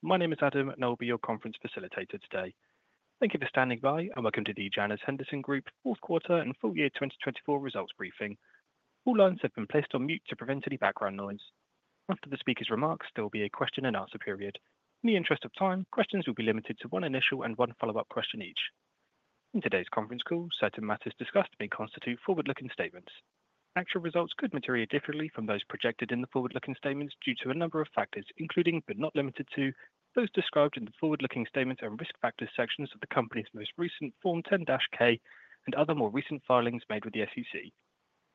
Good morning. My name is Adam, and I will be your conference facilitator today. Thank you for standing by, and welcome to the Janus Henderson Group's fourth quarter and full year 2024 results briefing. All lines have been placed on mute to prevent any background noise. After the speaker's remarks, there will be a question-and-answer period. In the interest of time, questions will be limited to one initial and one follow-up question each. In today's conference call, certain matters discussed may constitute forward-looking statements. Actual results could materialize differently from those projected in the forward-looking statements due to a number of factors, including, but not limited to, those described in the forward-looking statements and risk factors sections of the company's most recent Form 10-K and other more recent filings made with the SEC.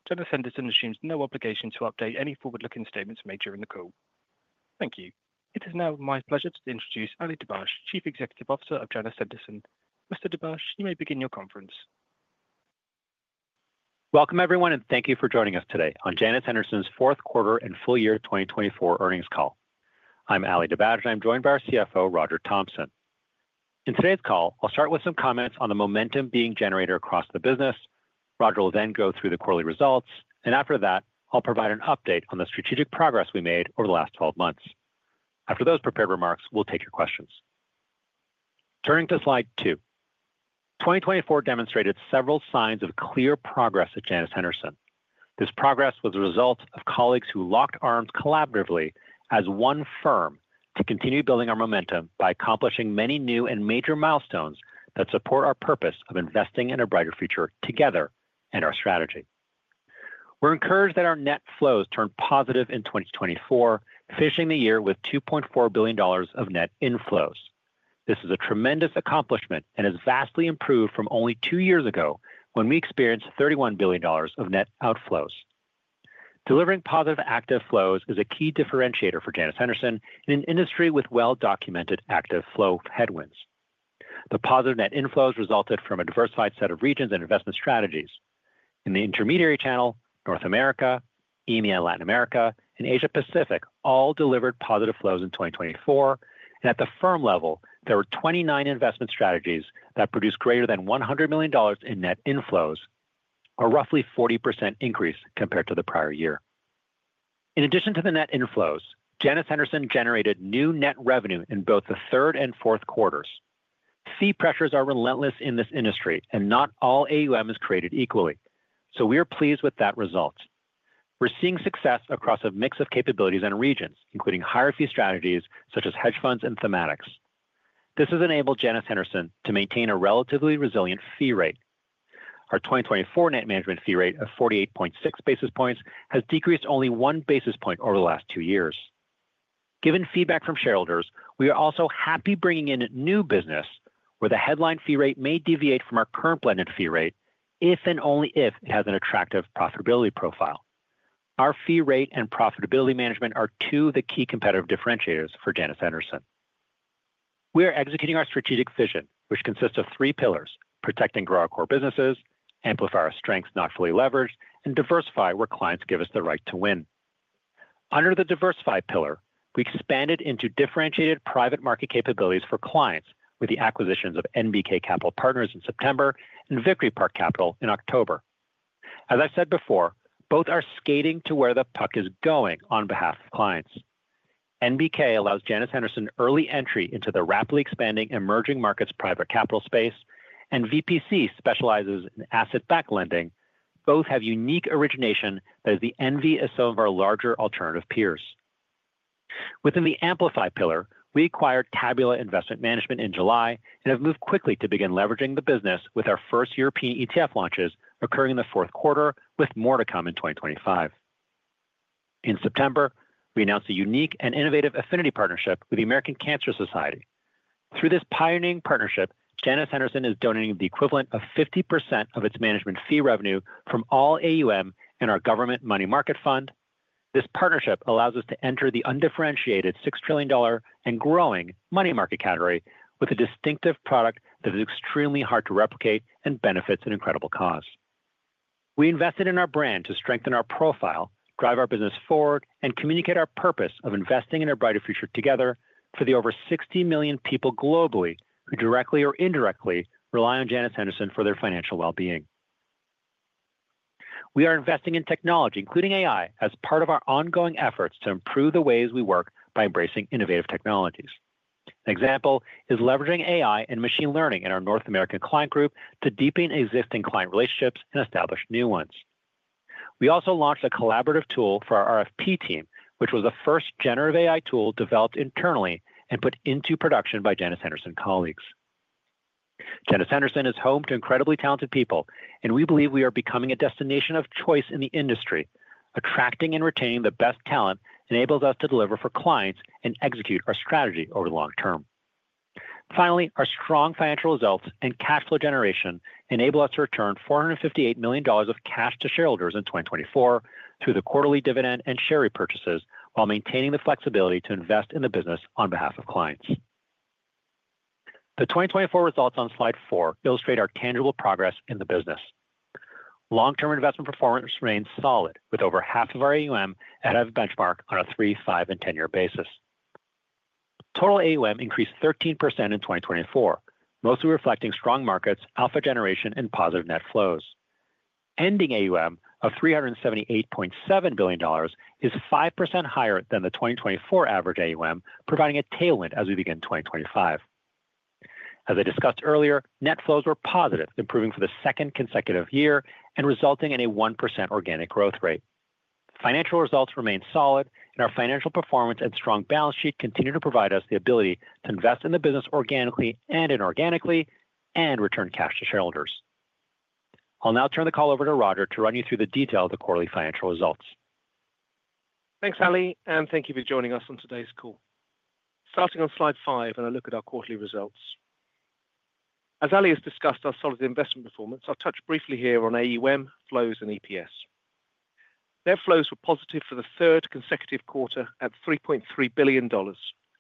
Janus Henderson assumes no obligation to update any forward-looking statements made during the call. Thank you. It is now my pleasure to introduce Ali Dibadj, Chief Executive Officer of Janus Henderson. Mr. Dibadj, you may begin your conference. Welcome, everyone, and thank you for joining us today on Janus Henderson's fourth quarter and full year 2024 earnings call. I'm Ali Dibadj, and I'm joined by our CFO, Roger Thompson. In today's call, I'll start with some comments on the momentum being generated across the business. Roger will then go through the quarterly results, and after that, I'll provide an update on the strategic progress we made over the last 12 months. After those prepared remarks, we'll take your questions. Turning to slide two, 2024 demonstrated several signs of clear progress at Janus Henderson. This progress was a result of colleagues who locked arms collaboratively as one firm to continue building our momentum by accomplishing many new and major milestones that support our purpose of investing in a brighter future together and our strategy. We're encouraged that our net flows turned positive in 2024, finishing the year with $2.4 billion of net inflows. This is a tremendous accomplishment and has vastly improved from only two years ago when we experienced $31 billion of net outflows. Delivering positive active flows is a key differentiator for Janus Henderson in an industry with well-documented active flow headwinds. The positive net inflows resulted from a diversified set of regions and investment strategies. In the intermediary channel, North America, EMEA and Latin America, and Asia-Pacific all delivered positive flows in 2024, and at the firm level, there were 29 investment strategies that produced greater than $100 million in net inflows, a roughly 40% increase compared to the prior year. In addition to the net inflows, Janus Henderson generated new net revenue in both the third and fourth quarters. Fee pressures are relentless in this industry, and not all AUM is created equally, so we are pleased with that result. We're seeing success across a mix of capabilities and regions, including higher fee strategies such as hedge funds and thematics. This has enabled Janus Henderson to maintain a relatively resilient fee rate. Our 2024 net management fee rate of 48.6 basis points has decreased only one basis point over the last two years. Given feedback from shareholders, we are also happy bringing in new business where the headline fee rate may deviate from our current blended fee rate if and only if it has an attractive profitability profile. Our fee rate and profitability management are two of the key competitive differentiators for Janus Henderson. We are executing our strategic vision, which consists of three pillars: protect and grow our core businesses, amplify our strengths not fully leveraged, and diversify where clients give us the right to win. Under the diversify pillar, we expanded into differentiated private market capabilities for clients with the acquisitions of NBK Capital Partners in September and Victory Park Capital in October. As I said before, both are skating to where the puck is going on behalf of clients. NBK allows Janus Henderson early entry into the rapidly expanding emerging markets private capital space, and VPC specializes in asset-backed lending. Both have unique origination that is the envy of some of our larger alternative peers. Within the amplify pillar, we acquired Tabula Investment Management in July and have moved quickly to begin leveraging the business with our first European ETF launches occurring in the fourth quarter, with more to come in 2025. In September, we announced a unique and innovative affinity partnership with the American Cancer Society. Through this pioneering partnership, Janus Henderson is donating the equivalent of 50% of its management fee revenue from all AUM and our government money market fund. This partnership allows us to enter the undifferentiated $6 trillion and growing money market category with a distinctive product that is extremely hard to replicate and benefits an incredible cause. We invested in our brand to strengthen our profile, drive our business forward, and communicate our purpose of investing in a brighter future together for the over 60 million people globally who directly or indirectly rely on Janus Henderson for their financial well-being. We are investing in technology, including AI, as part of our ongoing efforts to improve the ways we work by embracing innovative technologies. An example is leveraging AI and machine learning in our North American client group to deepen existing client relationships and establish new ones. We also launched a collaborative tool for our RFP team, which was the first generative AI tool developed internally and put into production by Janus Henderson colleagues. Janus Henderson is home to incredibly talented people, and we believe we are becoming a destination of choice in the industry. Attracting and retaining the best talent enables us to deliver for clients and execute our strategy over the long term. Finally, our strong financial results and cash flow generation enable us to return $458 million of cash to shareholders in 2024 through the quarterly dividend and share repurchases while maintaining the flexibility to invest in the business on behalf of clients. The 2024 results on slide four illustrate our tangible progress in the business. Long-term investment performance remains solid, with over half of our AUM ahead of benchmark on a three, five, and ten-year basis. Total AUM increased 13% in 2024, mostly reflecting strong markets, alpha generation, and positive net flows. Ending AUM of $378.7 billion is 5% higher than the 2024 average AUM, providing a tailwind as we begin 2025. As I discussed earlier, net flows were positive, improving for the second consecutive year and resulting in a 1% organic growth rate. Financial results remain solid, and our financial performance and strong balance sheet continue to provide us the ability to invest in the business organically and inorganically and return cash to shareholders. I'll now turn the call over to Roger to run you through the detail of the quarterly financial results. Thanks, Ali, and thank you for joining us on today's call. Starting on slide five and a look at our quarterly results. As Ali has discussed our solid investment performance, I'll touch briefly here on AUM, flows, and EPS. Net flows were positive for the third consecutive quarter at $3.3 billion,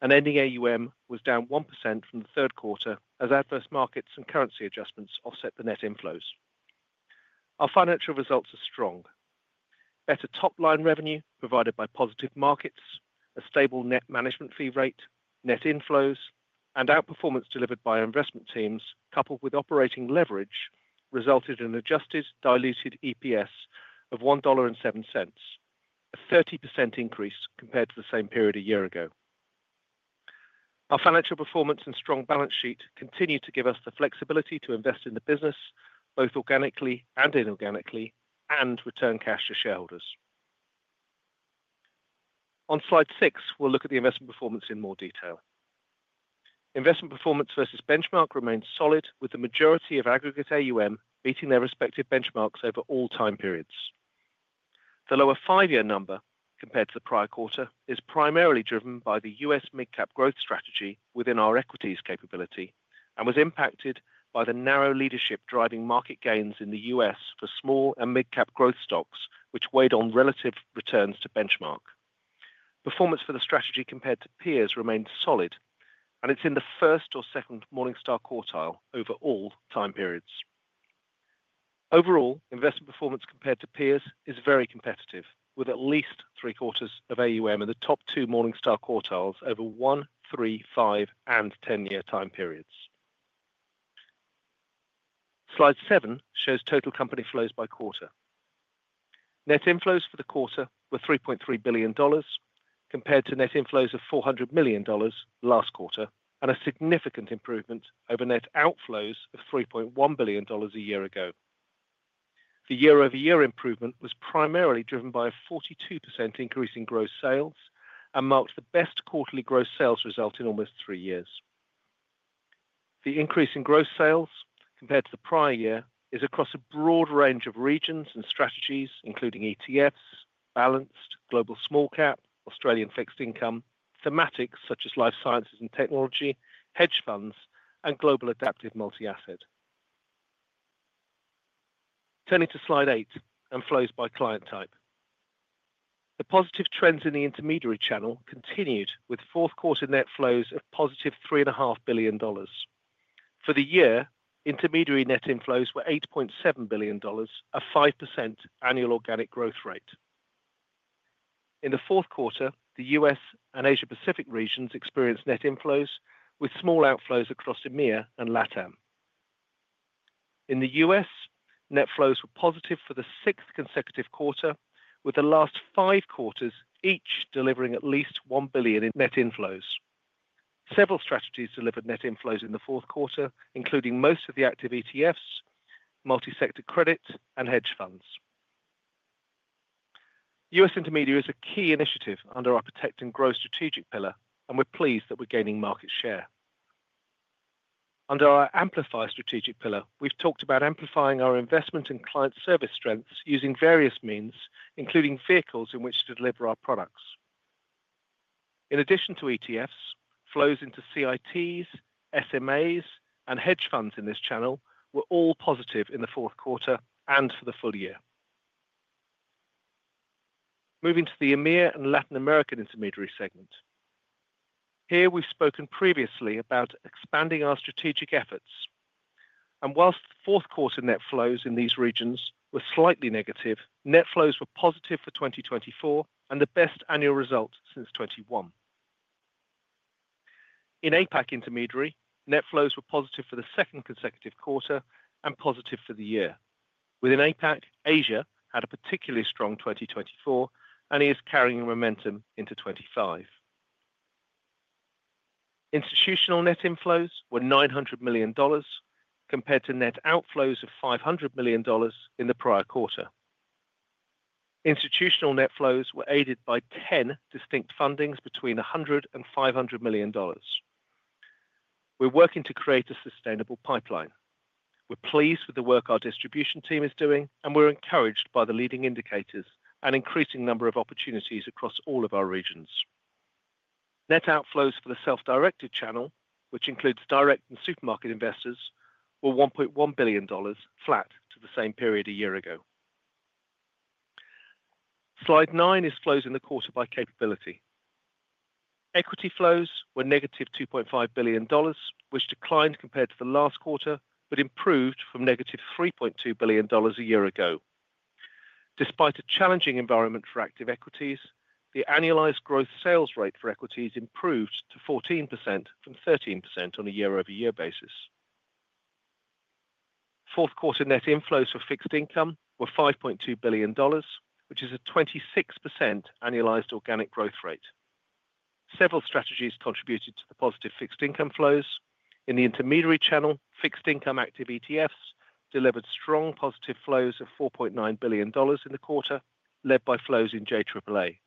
and ending AUM was down 1% from the third quarter as adverse markets and currency adjustments offset the net inflows. Our financial results are strong. Better top-line revenue provided by positive markets, a stable net management fee rate, net inflows, and outperformance delivered by our investment teams, coupled with operating leverage, resulted in an adjusted diluted EPS of $1.07, a 30% increase compared to the same period a year ago. Our financial performance and strong balance sheet continue to give us the flexibility to invest in the business both organically and inorganically and return cash to shareholders. On slide six, we'll look at the investment performance in more detail. Investment performance versus benchmark remains solid, with the majority of aggregate AUM meeting their respective benchmarks over all time periods. The lower five-year number compared to the prior quarter is primarily driven by the U.S. mid-cap growth strategy within our equities capability and was impacted by the narrow leadership driving market gains in the U.S. for small and mid-cap growth stocks, which weighed on relative returns to benchmark. Performance for the strategy compared to peers remained solid, and it's in the first or second Morningstar quartile over all time periods. Overall, investment performance compared to peers is very competitive, with at least three quarters of AUM in the top two Morningstar quartiles over one, three, five, and 10-year time periods. Slide seven shows total company flows by quarter. Net inflows for the quarter were $3.3 billion compared to net inflows of $400 million last quarter and a significant improvement over net outflows of $3.1 billion a year ago. The year-over-year improvement was primarily driven by a 42% increase in gross sales and marked the best quarterly gross sales result in almost three years. The increase in gross sales compared to the prior year is across a broad range of regions and strategies, including ETFs, balanced, global small cap, Australian fixed income, thematics such as life sciences and technology, hedge funds, and Global Adaptive Multi-Asset. Turning to slide eight and flows by client type. The positive trends in the intermediary channel continued with fourth quarter net flows of positive $3.5 billion. For the year, intermediary net inflows were $8.7 billion, a 5% annual organic growth rate. In the fourth quarter, the U.S. and Asia-Pacific regions experienced net inflows with small outflows across EMEA and LATAM. In the U.S., net flows were positive for the sixth consecutive quarter, with the last five quarters each delivering at least $1 billion in net inflows. Several strategies delivered net inflows in the fourth quarter, including most of the active ETFs, multi-sector credit, and hedge funds. U.S. intermediary is a key initiative under our protect and grow strategic pillar, and we're pleased that we're gaining market share. Under our amplify strategic pillar, we've talked about amplifying our investment and client service strengths using various means, including vehicles in which to deliver our products. In addition to ETFs, flows into CITs, SMAs, and hedge funds in this channel were all positive in the fourth quarter and for the full year. Moving to the EMEA and Latin American intermediary segment. Here, we've spoken previously about expanding our strategic efforts, and while fourth quarter net flows in these regions were slightly negative, net flows were positive for 2024 and the best annual result since 2021. In APAC intermediary, net flows were positive for the second consecutive quarter and positive for the year. Within APAC, Asia had a particularly strong 2024 and is carrying momentum into 2025. Institutional net inflows were $900 million compared to net outflows of $500 million in the prior quarter. Institutional net flows were aided by 10 distinct fundings between $100 and $500 million. We're working to create a sustainable pipeline. We're pleased with the work our distribution team is doing, and we're encouraged by the leading indicators and increasing number of opportunities across all of our regions. Net outflows for the self-directed channel, which includes direct and supermarket investors, were $1.1 billion, flat to the same period a year ago. Slide nine is flows in the quarter by capability. Equity flows were negative $2.5 billion, which declined compared to the last quarter, but improved from negative $3.2 billion a year ago. Despite a challenging environment for active equities, the annualized growth sales rate for equities improved to 14% from 13% on a year-over-year basis. Fourth quarter net inflows for fixed income were $5.2 billion, which is a 26% annualized organic growth rate. Several strategies contributed to the positive fixed income flows. In the intermediary channel, fixed income active ETFs delivered strong positive flows of $4.9 billion in the quarter, led by flows in JAAA.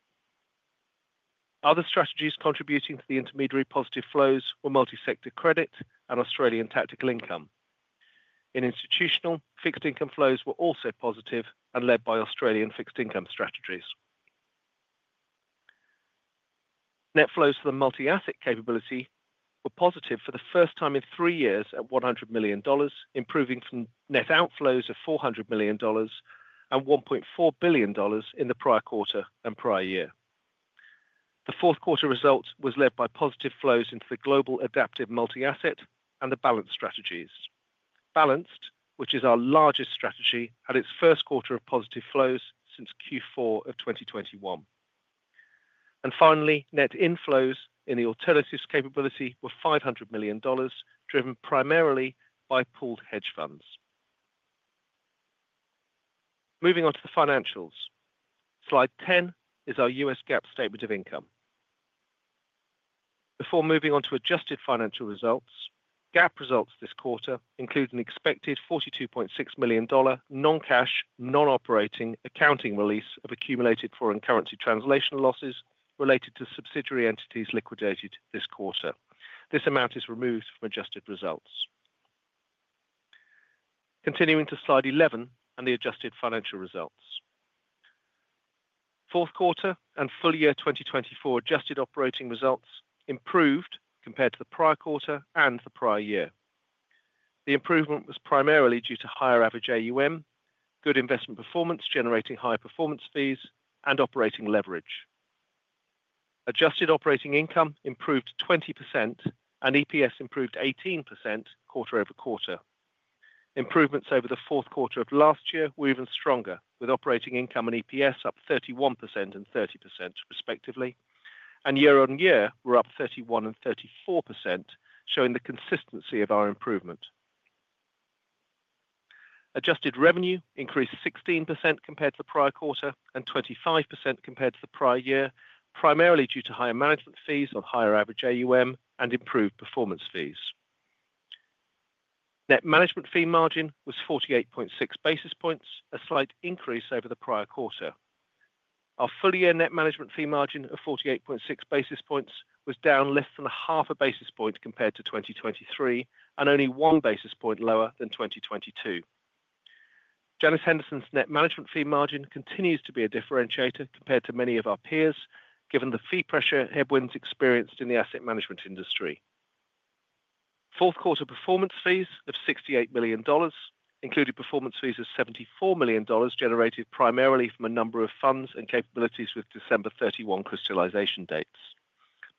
Other strategies contributing to the intermediary positive flows were multi-sector credit and Australian tactical income. In institutional, fixed income flows were also positive and led by Australian fixed income strategies. Net flows for the multi-asset capability were positive for the first time in three years at $100 million, improving from net outflows of $400 million and $1.4 billion in the prior quarter and prior year. The fourth quarter result was led by positive flows into the global adaptive multi-asset and the balanced strategies. Balanced, which is our largest strategy, had its first quarter of positive flows since Q4 of 2021. And finally, net inflows in the alternatives capability were $500 million, driven primarily by pooled hedge funds. Moving on to the financials. Slide 10 is our U.S. GAAP statement of income. Before moving on to adjusted financial results, GAAP results this quarter include an expected $42.6 million non-cash, non-operating accounting release of accumulated foreign currency translational losses related to subsidiary entities liquidated this quarter. This amount is removed from adjusted results. Continuing to slide 11 and the adjusted financial results. Fourth quarter and full year 2024 adjusted operating results improved compared to the prior quarter and the prior year. The improvement was primarily due to higher average AUM, good investment performance generating high performance fees, and operating leverage. Adjusted operating income improved 20%, and EPS improved 18% quarter over quarter. Improvements over the fourth quarter of last year were even stronger, with operating income and EPS up 31% and 30% respectively, and year-on-year were up 31% and 34%, showing the consistency of our improvement. Adjusted revenue increased 16% compared to the prior quarter and 25% compared to the prior year, primarily due to higher management fees on higher average AUM and improved performance fees. Net management fee margin was 48.6 basis points, a slight increase over the prior quarter. Our full year net management fee margin of 48.6 basis points was down less than half a basis point compared to 2023 and only one basis point lower than 2022. Janus Henderson's net management fee margin continues to be a differentiator compared to many of our peers, given the fee pressure headwinds experienced in the asset management industry. Fourth quarter performance fees of $68 million included performance fees of $74 million generated primarily from a number of funds and capabilities with December 31 crystallization dates.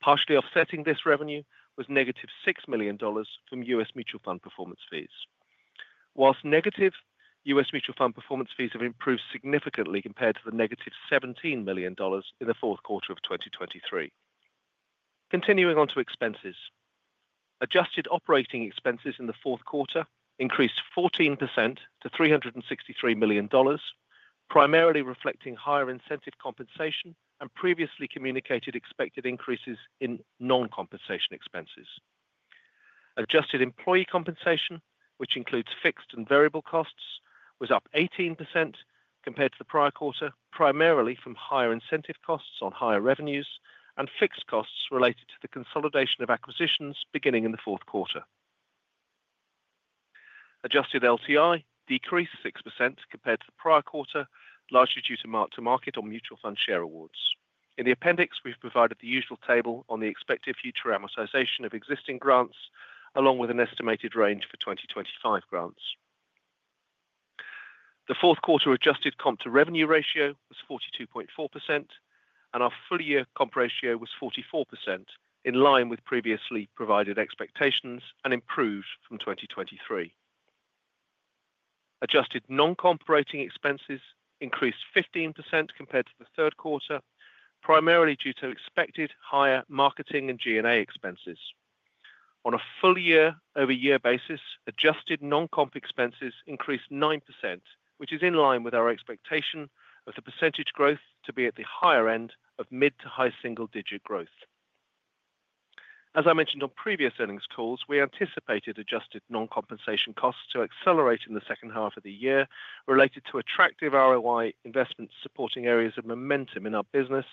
Partially offsetting this revenue was negative $6 million from U.S. mutual fund performance fees. Whilst negative, U.S. mutual fund performance fees have improved significantly compared to the negative $17 million in the fourth quarter of 2023. Continuing on to expenses. Adjusted operating expenses in the fourth quarter increased 14% to $363 million, primarily reflecting higher incentive compensation and previously communicated expected increases in non-compensation expenses. Adjusted employee compensation, which includes fixed and variable costs, was up 18% compared to the prior quarter, primarily from higher incentive costs on higher revenues and fixed costs related to the consolidation of acquisitions beginning in the fourth quarter. Adjusted LTI decreased 6% compared to the prior quarter, largely due to mark-to-market or mutual fund share awards. In the appendix, we've provided the usual table on the expected future amortization of existing grants, along with an estimated range for 2025 grants. The fourth quarter adjusted comp to revenue ratio was 42.4%, and our full year comp ratio was 44%, in line with previously provided expectations and improved from 2023. Adjusted non-com operating expenses increased 15% compared to the third quarter, primarily due to expected higher marketing and G&A expenses. On a full year-over-year basis, adjusted non-comp expenses increased 9%, which is in line with our expectation of the percentage growth to be at the higher end of mid to high single-digit growth. As I mentioned on previous earnings calls, we anticipated adjusted non-compensation costs to accelerate in the second half of the year related to attractive ROI investments supporting areas of momentum in our business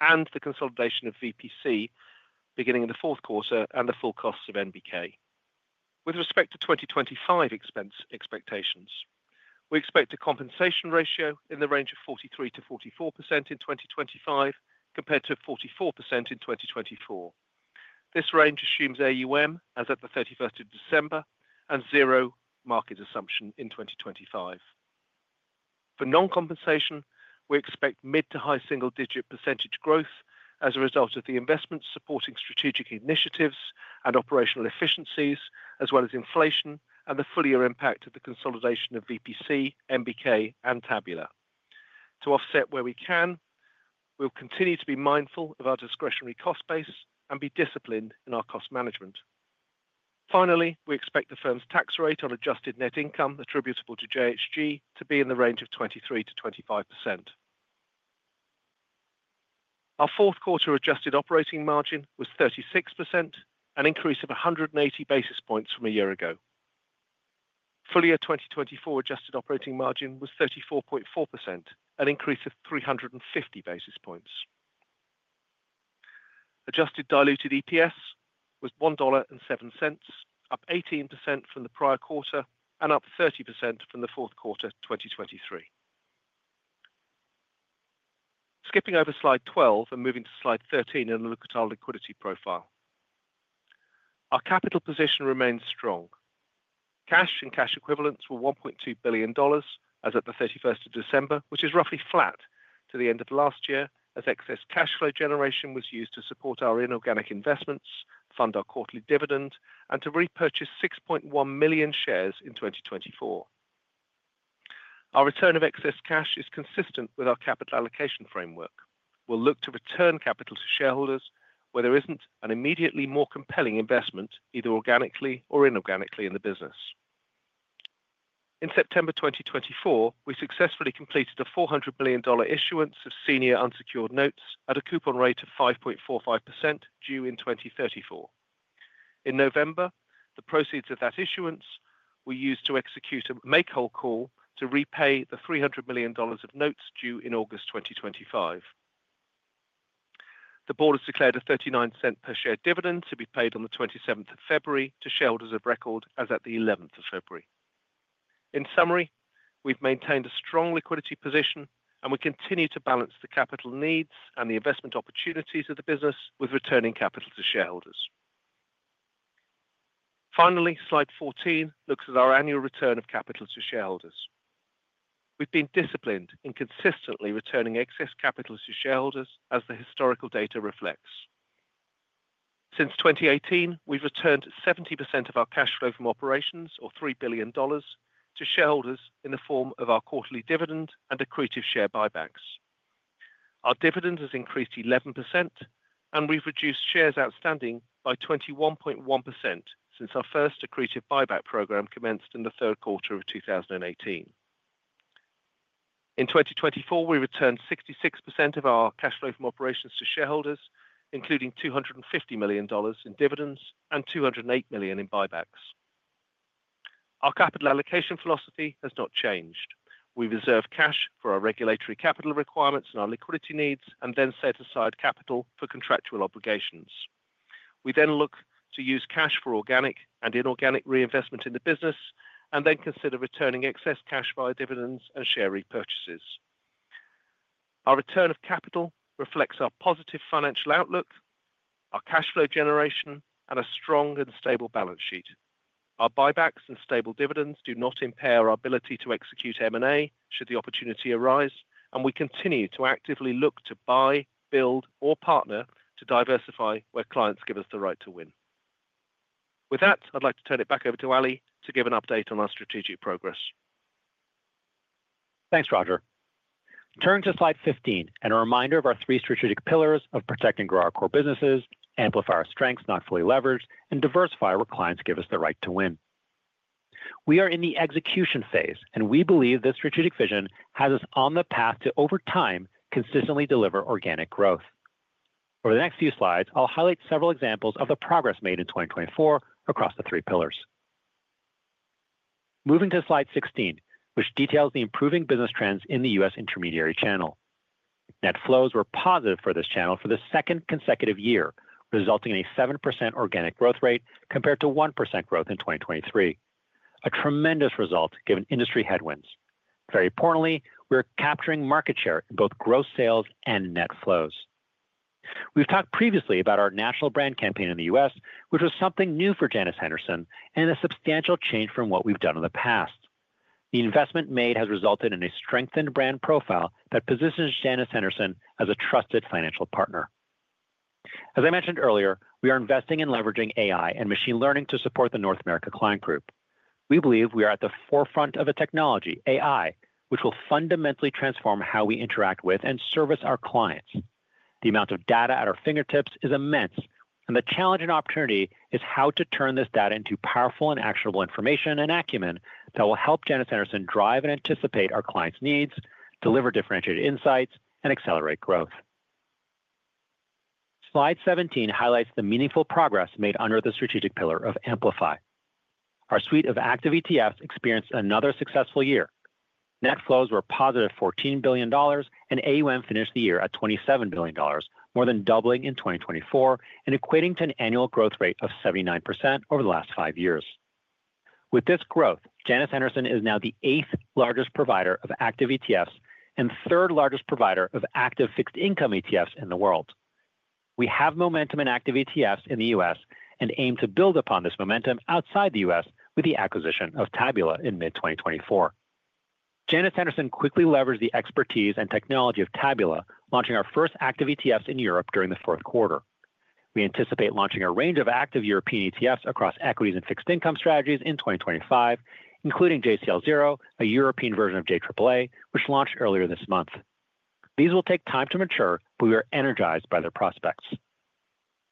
and the consolidation of VPC beginning in the fourth quarter and the full costs of NBK. With respect to 2025 expense expectations, we expect a compensation ratio in the range of 43%-44% in 2025 compared to 44% in 2024. This range assumes AUM as at the 31st of December and zero market assumption in 2025. For non-compensation, we expect mid- to high single-digit % growth as a result of the investments supporting strategic initiatives and operational efficiencies, as well as inflation and the full-year impact of the consolidation of VPC, NBK, and Tabula. To offset where we can, we'll continue to be mindful of our discretionary cost base and be disciplined in our cost management. Finally, we expect the firm's tax rate on adjusted net income attributable to JHG to be in the range of 23%-25%. Our fourth quarter adjusted operating margin was 36%, an increase of 180 basis points from a year ago. Full year 2024 adjusted operating margin was 34.4%, an increase of 350 basis points. Adjusted diluted EPS was $1.07, up 18% from the prior quarter and up 30% from the fourth quarter 2023. Skipping over slide 12 and moving to slide 13 in the liquidity profile. Our capital position remains strong. Cash and cash equivalents were $1.2 billion as at the 31st of December, which is roughly flat to the end of last year as excess cash flow generation was used to support our inorganic investments, fund our quarterly dividend, and to repurchase 6.1 million shares in 2024. Our return of excess cash is consistent with our capital allocation framework. We'll look to return capital to shareholders where there isn't an immediately more compelling investment, either organically or inorganically in the business. In September 2024, we successfully completed a $400 million issuance of senior unsecured notes at a coupon rate of 5.45% due in 2034. In November, the proceeds of that issuance were used to execute a make-whole call to repay the $300 million of notes due in August 2025. The board has declared a 39 cent per share dividend to be paid on the 27th of February to shareholders of record as at the 11th of February. In summary, we've maintained a strong liquidity position, and we continue to balance the capital needs and the investment opportunities of the business with returning capital to shareholders. Finally, slide 14 looks at our annual return of capital to shareholders. We've been disciplined in consistently returning excess capital to shareholders, as the historical data reflects. Since 2018, we've returned 70% of our cash flow from operations, or $3 billion, to shareholders in the form of our quarterly dividend and accretive share buybacks. Our dividend has increased 11%, and we've reduced shares outstanding by 21.1% since our first accretive buyback program commenced in the third quarter of 2018. In 2024, we returned 66% of our cash flow from operations to shareholders, including $250 million in dividends and $208 million in buybacks. Our capital allocation philosophy has not changed. We reserve cash for our regulatory capital requirements and our liquidity needs, and then set aside capital for contractual obligations. We then look to use cash for organic and inorganic reinvestment in the business, and then consider returning excess cash via dividends and share repurchases. Our return of capital reflects our positive financial outlook, our cash flow generation, and a strong and stable balance sheet. Our buybacks and stable dividends do not impair our ability to execute M&A should the opportunity arise, and we continue to actively look to buy, build, or partner to diversify where clients give us the right to win. With that, I'd like to turn it back over to Ali to give an update on our strategic progress. Thanks, Roger. Turn to slide 15 and a reminder of our three strategic pillars of protect and grow our core businesses, amplify our strengths not fully leveraged, and diversify where clients give us the right to win. We are in the execution phase, and we believe this strategic vision has us on the path to, over time, consistently deliver organic growth. Over the next few slides, I'll highlight several examples of the progress made in 2024 across the three pillars. Moving to slide 16, which details the improving business trends in the U.S. intermediary channel. Net flows were positive for this channel for the second consecutive year, resulting in a 7% organic growth rate compared to 1% growth in 2023, a tremendous result given industry headwinds. Very importantly, we're capturing market share in both gross sales and net flows. We've talked previously about our national brand campaign in the U.S., which was something new for Janus Henderson and a substantial change from what we've done in the past. The investment made has resulted in a strengthened brand profile that positions Janus Henderson as a trusted financial partner. As I mentioned earlier, we are investing in leveraging AI and machine learning to support the North America Client Group. We believe we are at the forefront of a technology, AI, which will fundamentally transform how we interact with and service our clients. The amount of data at our fingertips is immense, and the challenge and opportunity is how to turn this data into powerful and actionable information and acumen that will help Janus Henderson drive and anticipate our clients' needs, deliver differentiated insights, and accelerate growth. Slide 17 highlights the meaningful progress made under the strategic pillar of Amplify. Our suite of active ETFs experienced another successful year. Net flows were positive $14 billion, and AUM finished the year at $27 billion, more than doubling in 2024 and equating to an annual growth rate of 79% over the last five years. With this growth, Janus Henderson is now the eighth largest provider of active ETFs and third largest provider of active fixed income ETFs in the world. We have momentum in active ETFs in the U.S. and aim to build upon this momentum outside the U.S. with the acquisition of Tabula in mid-2024. Janus Henderson quickly leveraged the expertise and technology of Tabula, launching our first active ETFs in Europe during the fourth quarter. We anticipate launching a range of active European ETFs across equities and fixed income strategies in 2025, including JCL Zero, a European version of JAAA, which launched earlier this month. These will take time to mature, but we are energized by their prospects.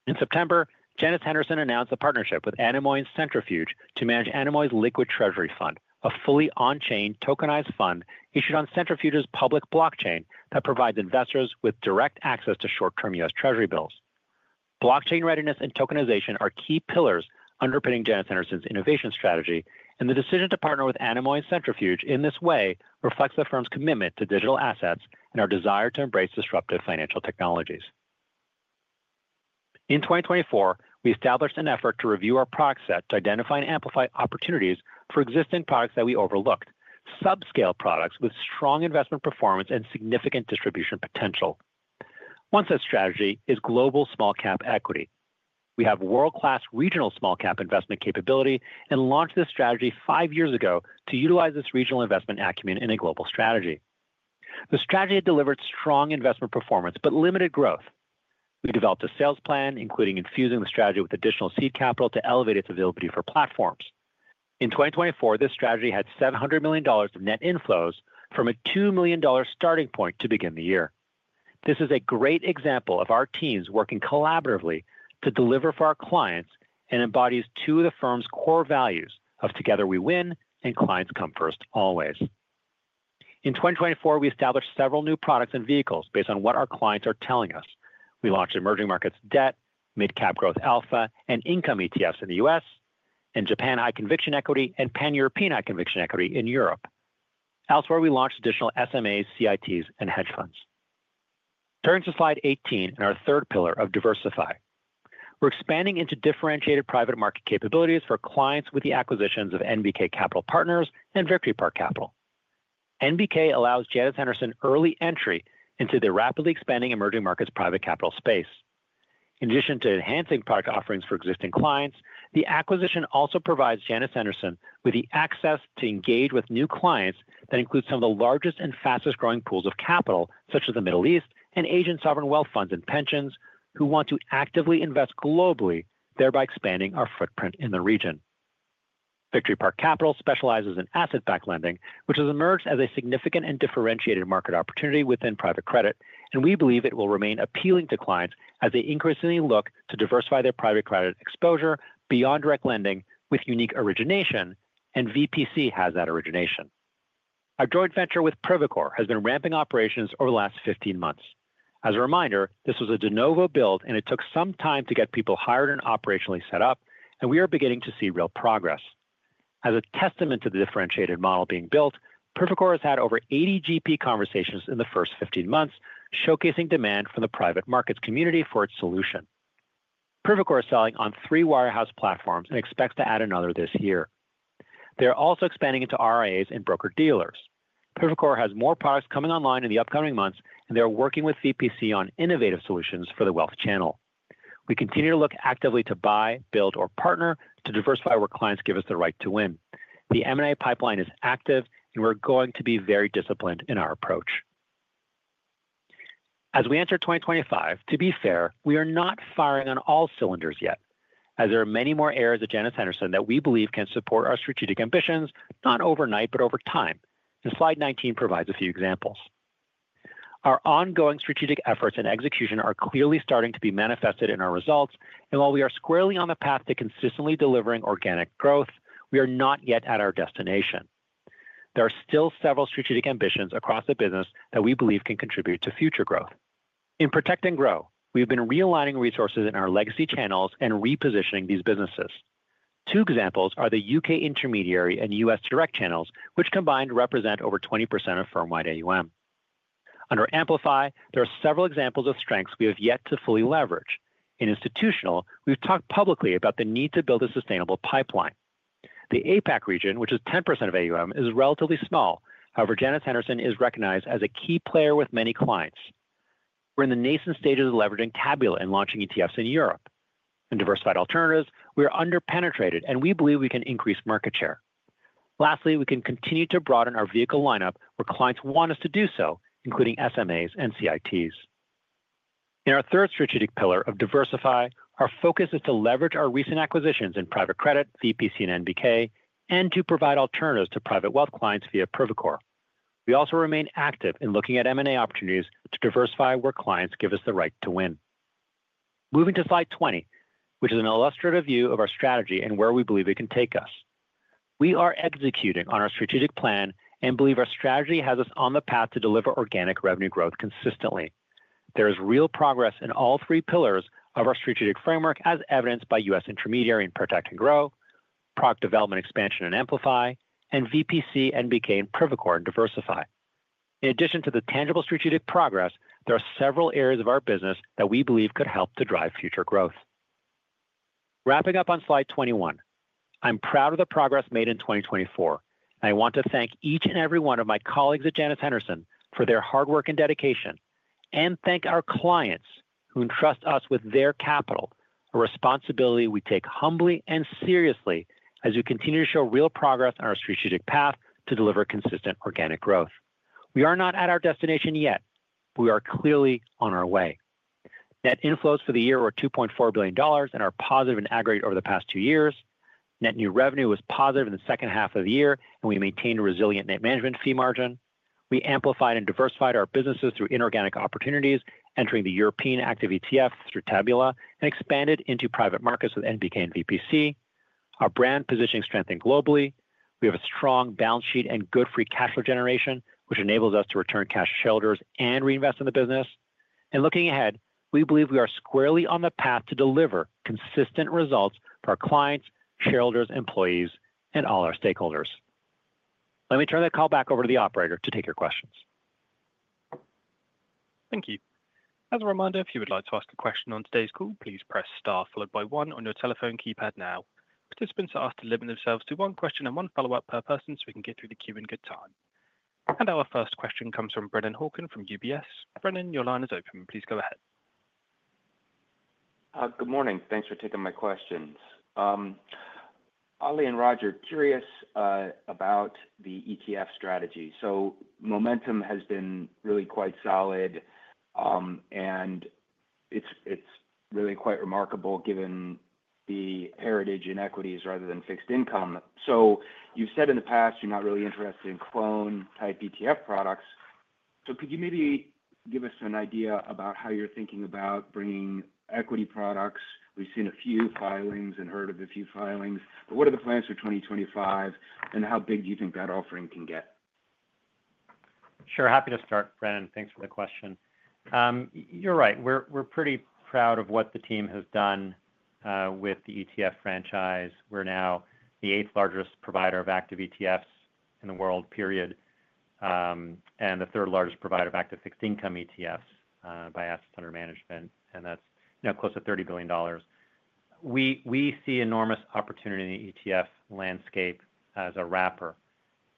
In September, Janus Henderson announced a partnership with Anemoy and Centrifuge to manage Anemoy's Liquid Treasury Fund, a fully on-chain tokenized fund issued on Centrifuge's public blockchain that provides investors with direct access to short-term U.S. Treasury bills. Blockchain readiness and tokenization are key pillars underpinning Janus Henderson's innovation strategy, and the decision to partner with Anemoy and Centrifuge in this way reflects the firm's commitment to digital assets and our desire to embrace disruptive financial technologies. In 2024, we established an effort to review our product set to identify and amplify opportunities for existing products that we overlooked, subscale products with strong investment performance and significant distribution potential. One such strategy is Global Small-Cap Equity. We have world-class regional small-cap investment capability and launched this strategy five years ago to utilize this regional investment acumen in a global strategy. The strategy had delivered strong investment performance but limited growth. We developed a sales plan, including infusing the strategy with additional seed capital to elevate its availability for platforms. In 2024, this strategy had $700 million of net inflows from a $2 million starting point to begin the year. This is a great example of our teams working collaboratively to deliver for our clients and embodies two of the firm's core values of "Together we win" and "Clients come first always." In 2024, we established several new products and vehicles based on what our clients are telling us. We launched Emerging Markets Debt, Mid-Cap Growth Alpha, and income ETFs in the U.S., and Japan High Conviction Equity and Pan-European High Conviction Equity in Europe. Elsewhere, we launched additional SMAs, CITs, and hedge funds. Turning to slide 18 and our third pillar of Diversify, we're expanding into differentiated private market capabilities for clients with the acquisitions of NBK Capital Partners and Victory Park Capital. NBK allows Janus Henderson early entry into the rapidly expanding emerging markets private capital space. In addition to enhancing product offerings for existing clients, the acquisition also provides Janus Henderson with the access to engage with new clients that include some of the largest and fastest-growing pools of capital, such as the Middle East and Asian sovereign wealth funds and pensions, who want to actively invest globally, thereby expanding our footprint in the region. Victory Park Capital specializes in asset-backed lending, which has emerged as a significant and differentiated market opportunity within private credit, and we believe it will remain appealing to clients as they increasingly look to diversify their private credit exposure beyond direct lending with unique origination, and VPC has that origination. Our joint venture with Privacore has been ramping operations over the last 15 months. As a reminder, this was a de novo build, and it took some time to get people hired and operationally set up, and we are beginning to see real progress. As a testament to the differentiated model being built, Privacore has had over 80 GP conversations in the first 15 months, showcasing demand from the private markets community for its solution. Privacore is selling on three wirehouse platforms and expects to add another this year. They are also expanding into RIAs and broker-dealers. Privacore has more products coming online in the upcoming months, and they are working with VPC on innovative solutions for the wealth channel. We continue to look actively to buy, build, or partner to diversify where clients give us the right to win. The M&A pipeline is active, and we're going to be very disciplined in our approach. As we enter 2025, to be fair, we are not firing on all cylinders yet, as there are many more areas of Janus Henderson that we believe can support our strategic ambitions, not overnight, but over time, and slide 19 provides a few examples. Our ongoing strategic efforts and execution are clearly starting to be manifested in our results, and while we are squarely on the path to consistently delivering organic growth, we are not yet at our destination. There are still several strategic ambitions across the business that we believe can contribute to future growth. In Protect and Grow, we've been realigning resources in our legacy channels and repositioning these businesses. Two examples are the U.K. intermediary and U.S. direct channels, which combined represent over 20% of firm-wide AUM. Under Amplify, there are several examples of strengths we have yet to fully leverage. In institutional, we've talked publicly about the need to build a sustainable pipeline. The APAC region, which is 10% of AUM, is relatively small. However, Janus Henderson is recognized as a key player with many clients. We're in the nascent stages of leveraging Tabula in launching ETFs in Europe. In diversified alternatives, we are under-penetrated, and we believe we can increase market share. Lastly, we can continue to broaden our vehicle lineup where clients want us to do so, including SMAs and CITs. In our third strategic pillar of Diversify, our focus is to leverage our recent acquisitions in private credit, VPC, and NBK, and to provide alternatives to private wealth clients via Privacore. We also remain active in looking at M&A opportunities to diversify where clients give us the right to win. Moving to slide 20, which is an illustrative view of our strategy and where we believe it can take us. We are executing on our strategic plan and believe our strategy has us on the path to deliver organic revenue growth consistently. There is real progress in all three pillars of our strategic framework, as evidenced by U.S. intermediary in Protect and Grow, product development expansion in Amplify, and VPC, NBK, and Privacore in Diversify. In addition to the tangible strategic progress, there are several areas of our business that we believe could help to drive future growth. Wrapping up on slide 21, I'm proud of the progress made in 2024, and I want to thank each and every one of my colleagues at Janus Henderson for their hard work and dedication, and thank our clients who entrust us with their capital, a responsibility we take humbly and seriously as we continue to show real progress on our strategic path to deliver consistent organic growth. We are not at our destination yet, but we are clearly on our way. Net inflows for the year were $2.4 billion and are positive in aggregate over the past two years. Net new revenue was positive in the second half of the year, and we maintained a resilient net management fee margin. We amplified and diversified our businesses through inorganic opportunities, entering the European active ETF through Tabula, and expanded into private markets with NBK and VPC. Our brand positioning strengthened globally. We have a strong balance sheet and good free cash flow generation, which enables us to return cash to shareholders and reinvest in the business, and looking ahead, we believe we are squarely on the path to deliver consistent results for our clients, shareholders, employees, and all our stakeholders. Let me turn the call back over to the operator to take your questions. Thank you. As a reminder, if you would like to ask a question on today's call, please press star followed by one on your telephone keypad now. Participants are asked to limit themselves to one question and one follow-up per person so we can get through the queue in good time, and our first question comes from Brennan Hawken from UBS. Brennan, your line is open. Please go ahead. Good morning. Thanks for taking my questions. Ali and Roger, curious about the ETF strategy. So momentum has been really quite solid, and it's really quite remarkable given the heritage in equities rather than fixed income. So you've said in the past you're not really interested in clone-type ETF products. So could you maybe give us an idea about how you're thinking about bringing equity products? We've seen a few filings and heard of a few filings. But what are the plans for 2025, and how big do you think that offering can get? Sure. Happy to start, Brennan. Thanks for the question. You're right. We're pretty proud of what the team has done with the ETF franchise. We're now the eighth largest provider of active ETFs in the world, period, and the third largest provider of active fixed income ETFs by assets under management, and that's now close to $30 billion. We see enormous opportunity in the ETF landscape as a wrapper,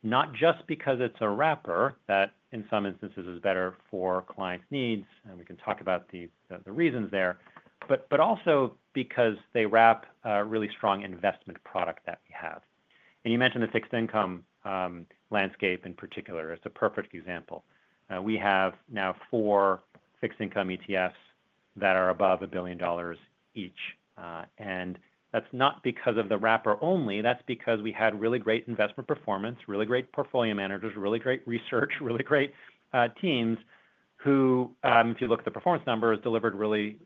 not just because it's a wrapper that in some instances is better for clients' needs, and we can talk about the reasons there, but also because they wrap a really strong investment product that we have. And you mentioned the fixed income landscape in particular. It's a perfect example. We have now four fixed income ETFs that are above $1 billion each. And that's not because of the wrapper only. That's because we had really great investment performance, really great portfolio managers, really great research, really great teams who, if you look at the performance numbers, delivered really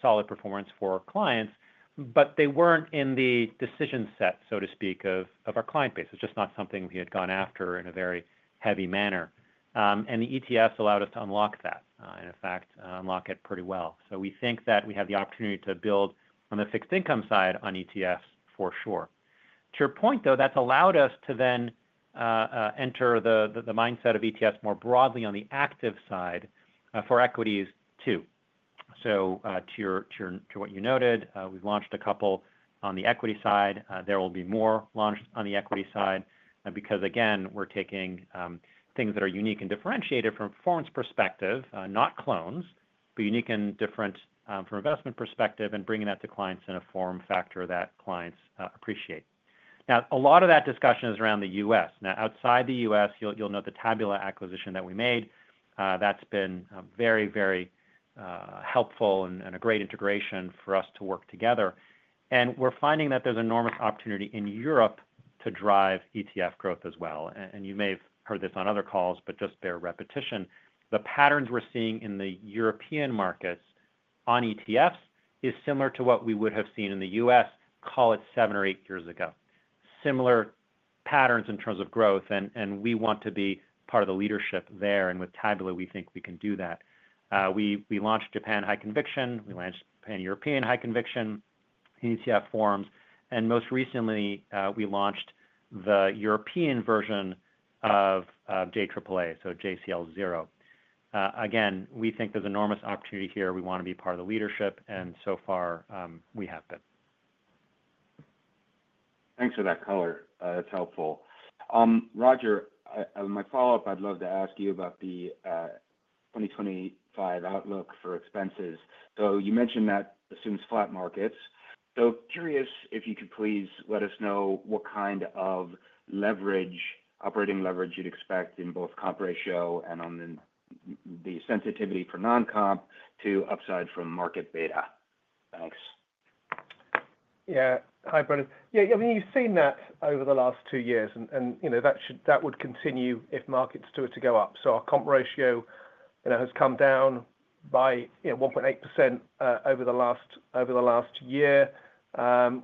solid performance for clients, but they weren't in the decision set, so to speak, of our client base. It's just not something we had gone after in a very heavy manner. And the ETFs allowed us to unlock that and, in fact, unlock it pretty well. So we think that we have the opportunity to build on the fixed income side on ETFs for sure. To your point, though, that's allowed us to then enter the mindset of ETFs more broadly on the active side for equities too. So to what you noted, we've launched a couple on the equity side. There will be more launched on the equity side because, again, we're taking things that are unique and differentiated from performance perspective, not clones, but unique and different from investment perspective and bringing that to clients in a form factor that clients appreciate. Now, a lot of that discussion is around the U.S. Now, outside the U.S., you'll note the Tabula acquisition that we made. That's been very, very helpful and a great integration for us to work together. We're finding that there's enormous opportunity in Europe to drive ETF growth as well. You may have heard this on other calls, but just bear repetition, the patterns we're seeing in the European markets on ETFs is similar to what we would have seen in the U.S., call it seven or eight years ago. Similar patterns in terms of growth, and we want to be part of the leadership there. With Tabula, we think we can do that. We launched Japan High Conviction. We launched Pan-European High Conviction in ETF forms. Most recently, we launched the European version of JAAA, so JCL Zero. Again, we think there's enormous opportunity here. We want to be part of the leadership, and so far we have been. Thanks for that color. That's helpful. Roger, as my follow-up, I'd love to ask you about the 2025 outlook for expenses. So you mentioned that assumes flat markets. So, curious if you could please let us know what kind of operating leverage you'd expect in both comp ratio and on the sensitivity for non-comp to upside from market beta. Thanks. Yeah. Hi, Brennan. Yeah. I mean, you've seen that over the last two years, and that would continue if markets continue to go up. So our comp ratio has come down by 1.8% over the last year.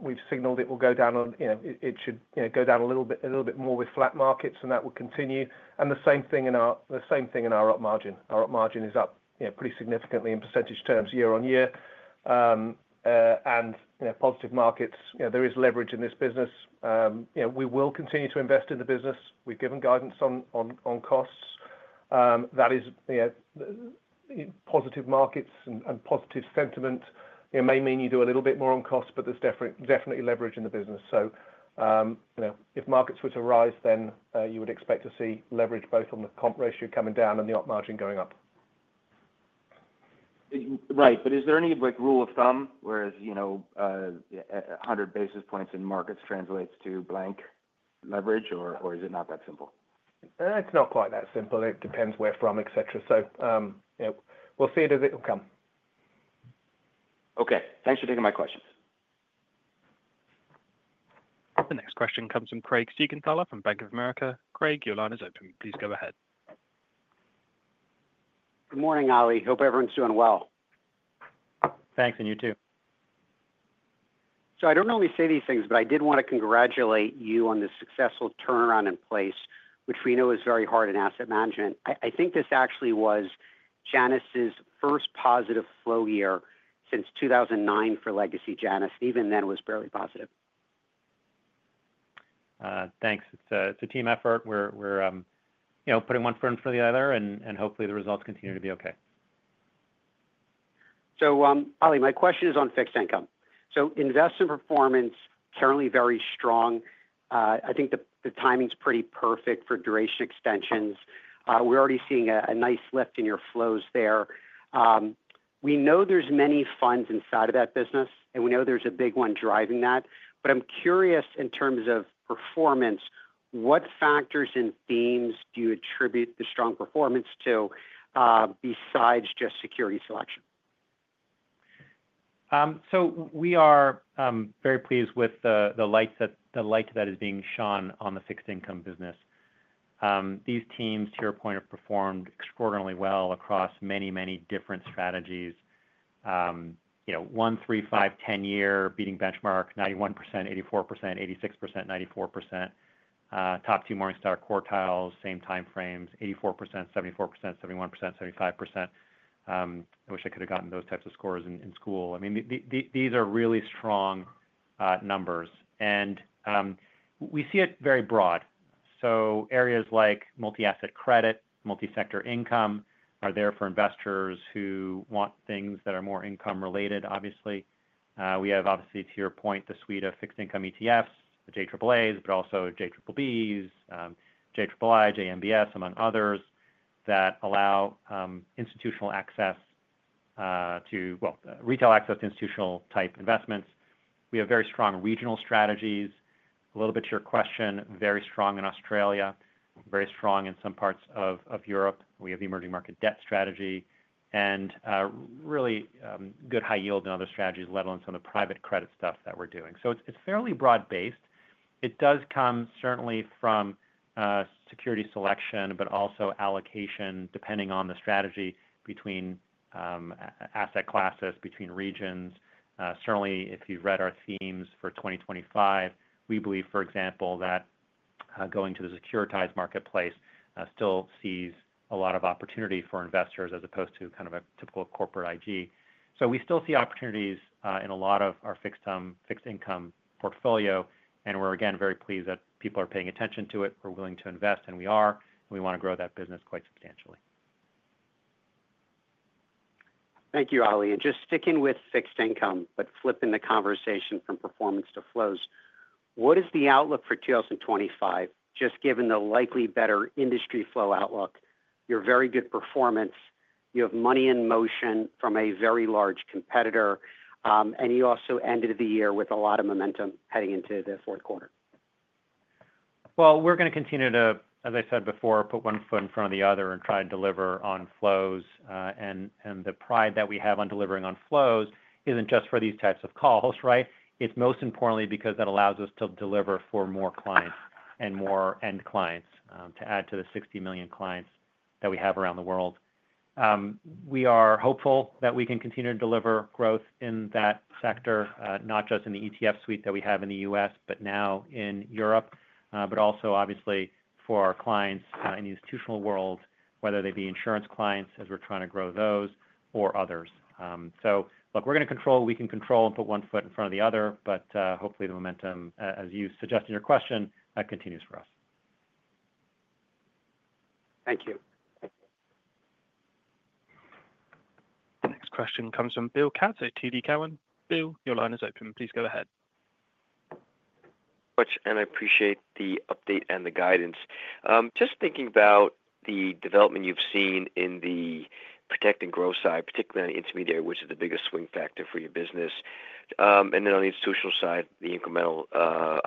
We've signaled it will go down. It should go down a little bit more with flat markets, and that will continue. And the same thing in our opex margin. Our opex margin is up pretty significantly in percentage terms year on year. And in positive markets, there is leverage in this business. We will continue to invest in the business. We've given guidance on costs. That is positive markets and positive sentiment may mean you do a little bit more on costs, but there's definitely leverage in the business. So if markets were to rise, then you would expect to see leverage both on the comp ratio coming down and the up margin going up. Right. But is there any rule of thumb whereas 100 basis points in markets translates to blank leverage, or is it not that simple? It's not quite that simple. It depends where from, etc. So we'll see it as it will come. Okay. Thanks for taking my questions. The next question comes from Craig Siegenthaler from Bank of America. Craig, your line is open. Please go ahead. Good morning, Ali. Hope everyone's doing well. Thanks, and you too. So I don't normally say these things, but I did want to congratulate you on this successful turnaround in place, which we know is very hard in asset management. I think this actually was Janus's first positive flow year since 2009 for legacy Janus, and even then it was barely positive. Thanks. It's a team effort. We're putting one firm in front of the other, and hopefully the results continue to be okay. So, Ali, my question is on fixed income. So, investment performance currently very strong. I think the timing's pretty perfect for duration extensions. We're already seeing a nice lift in your flows there. We know there's many funds inside of that business, and we know there's a big one driving that. But I'm curious in terms of performance, what factors and themes do you attribute the strong performance to besides just security selection? We are very pleased with the light that is being shone on the fixed income business. These teams, to your point, have performed extraordinarily well across many, many different strategies. One-, three-, five-, 10-year beating benchmark 91%, 84%, 86%, 94%. Top two Morningstar quartiles, same time frames, 84%, 74%, 71%, 75%. I wish I could have gotten those types of scores in school. I mean, these are really strong numbers. And we see it very broad. So areas like multi-asset credit, multi-sector income are there for investors who want things that are more income-related, obviously. We have, obviously, to your point, the suite of fixed income ETFs, the JAAAs, but also JBBBs, JABS, JMBS, among others that allow institutional access to, well, retail access to institutional-type investments. We have very strong regional strategies. A little bit to your question, very strong in Australia, very strong in some parts of Europe. We have the emerging market debt strategy and really good high yield in other strategies, let alone some of the private credit stuff that we're doing. So it's fairly broad-based. It does come certainly from security selection, but also allocation depending on the strategy between asset classes, between regions. Certainly, if you've read our themes for 2025, we believe, for example, that going to the securitized marketplace still sees a lot of opportunity for investors as opposed to kind of a typical corporate IG. So we still see opportunities in a lot of our fixed income portfolio, and we're, again, very pleased that people are paying attention to it, are willing to invest, and we are, and we want to grow that business quite substantially. Thank you, Ali. And just sticking with fixed income, but flipping the conversation from performance to flows, what is the outlook for 2025, just given the likely better industry flow outlook? You have very good performance. You have money in motion from a very large competitor, and you also ended the year with a lot of momentum heading into the fourth quarter. Well, we're going to continue to, as I said before, put one foot in front of the other and try and deliver on flows. And the pride that we have on delivering on flows isn't just for these types of calls, right? It's most importantly because that allows us to deliver for more clients and more end clients to add to the 60 million clients that we have around the world. We are hopeful that we can continue to deliver growth in that sector, not just in the ETF suite that we have in the U.S., but now in Europe, but also, obviously, for our clients in the institutional world, whether they be insurance clients, as we're trying to grow those, or others. So, look, we're going to control. We can control and put one foot in front of the other, but hopefully the momentum, as you suggest in your question, continues for us. Thank you. The next question comes from Bill Katz at TD Cowen. Bill, your line is open. Please go ahead. And I appreciate the update and the guidance. Just thinking about the development you've seen in the protect and growth side, particularly on the intermediary, which is the biggest swing factor for your business, and then on the institutional side, the incremental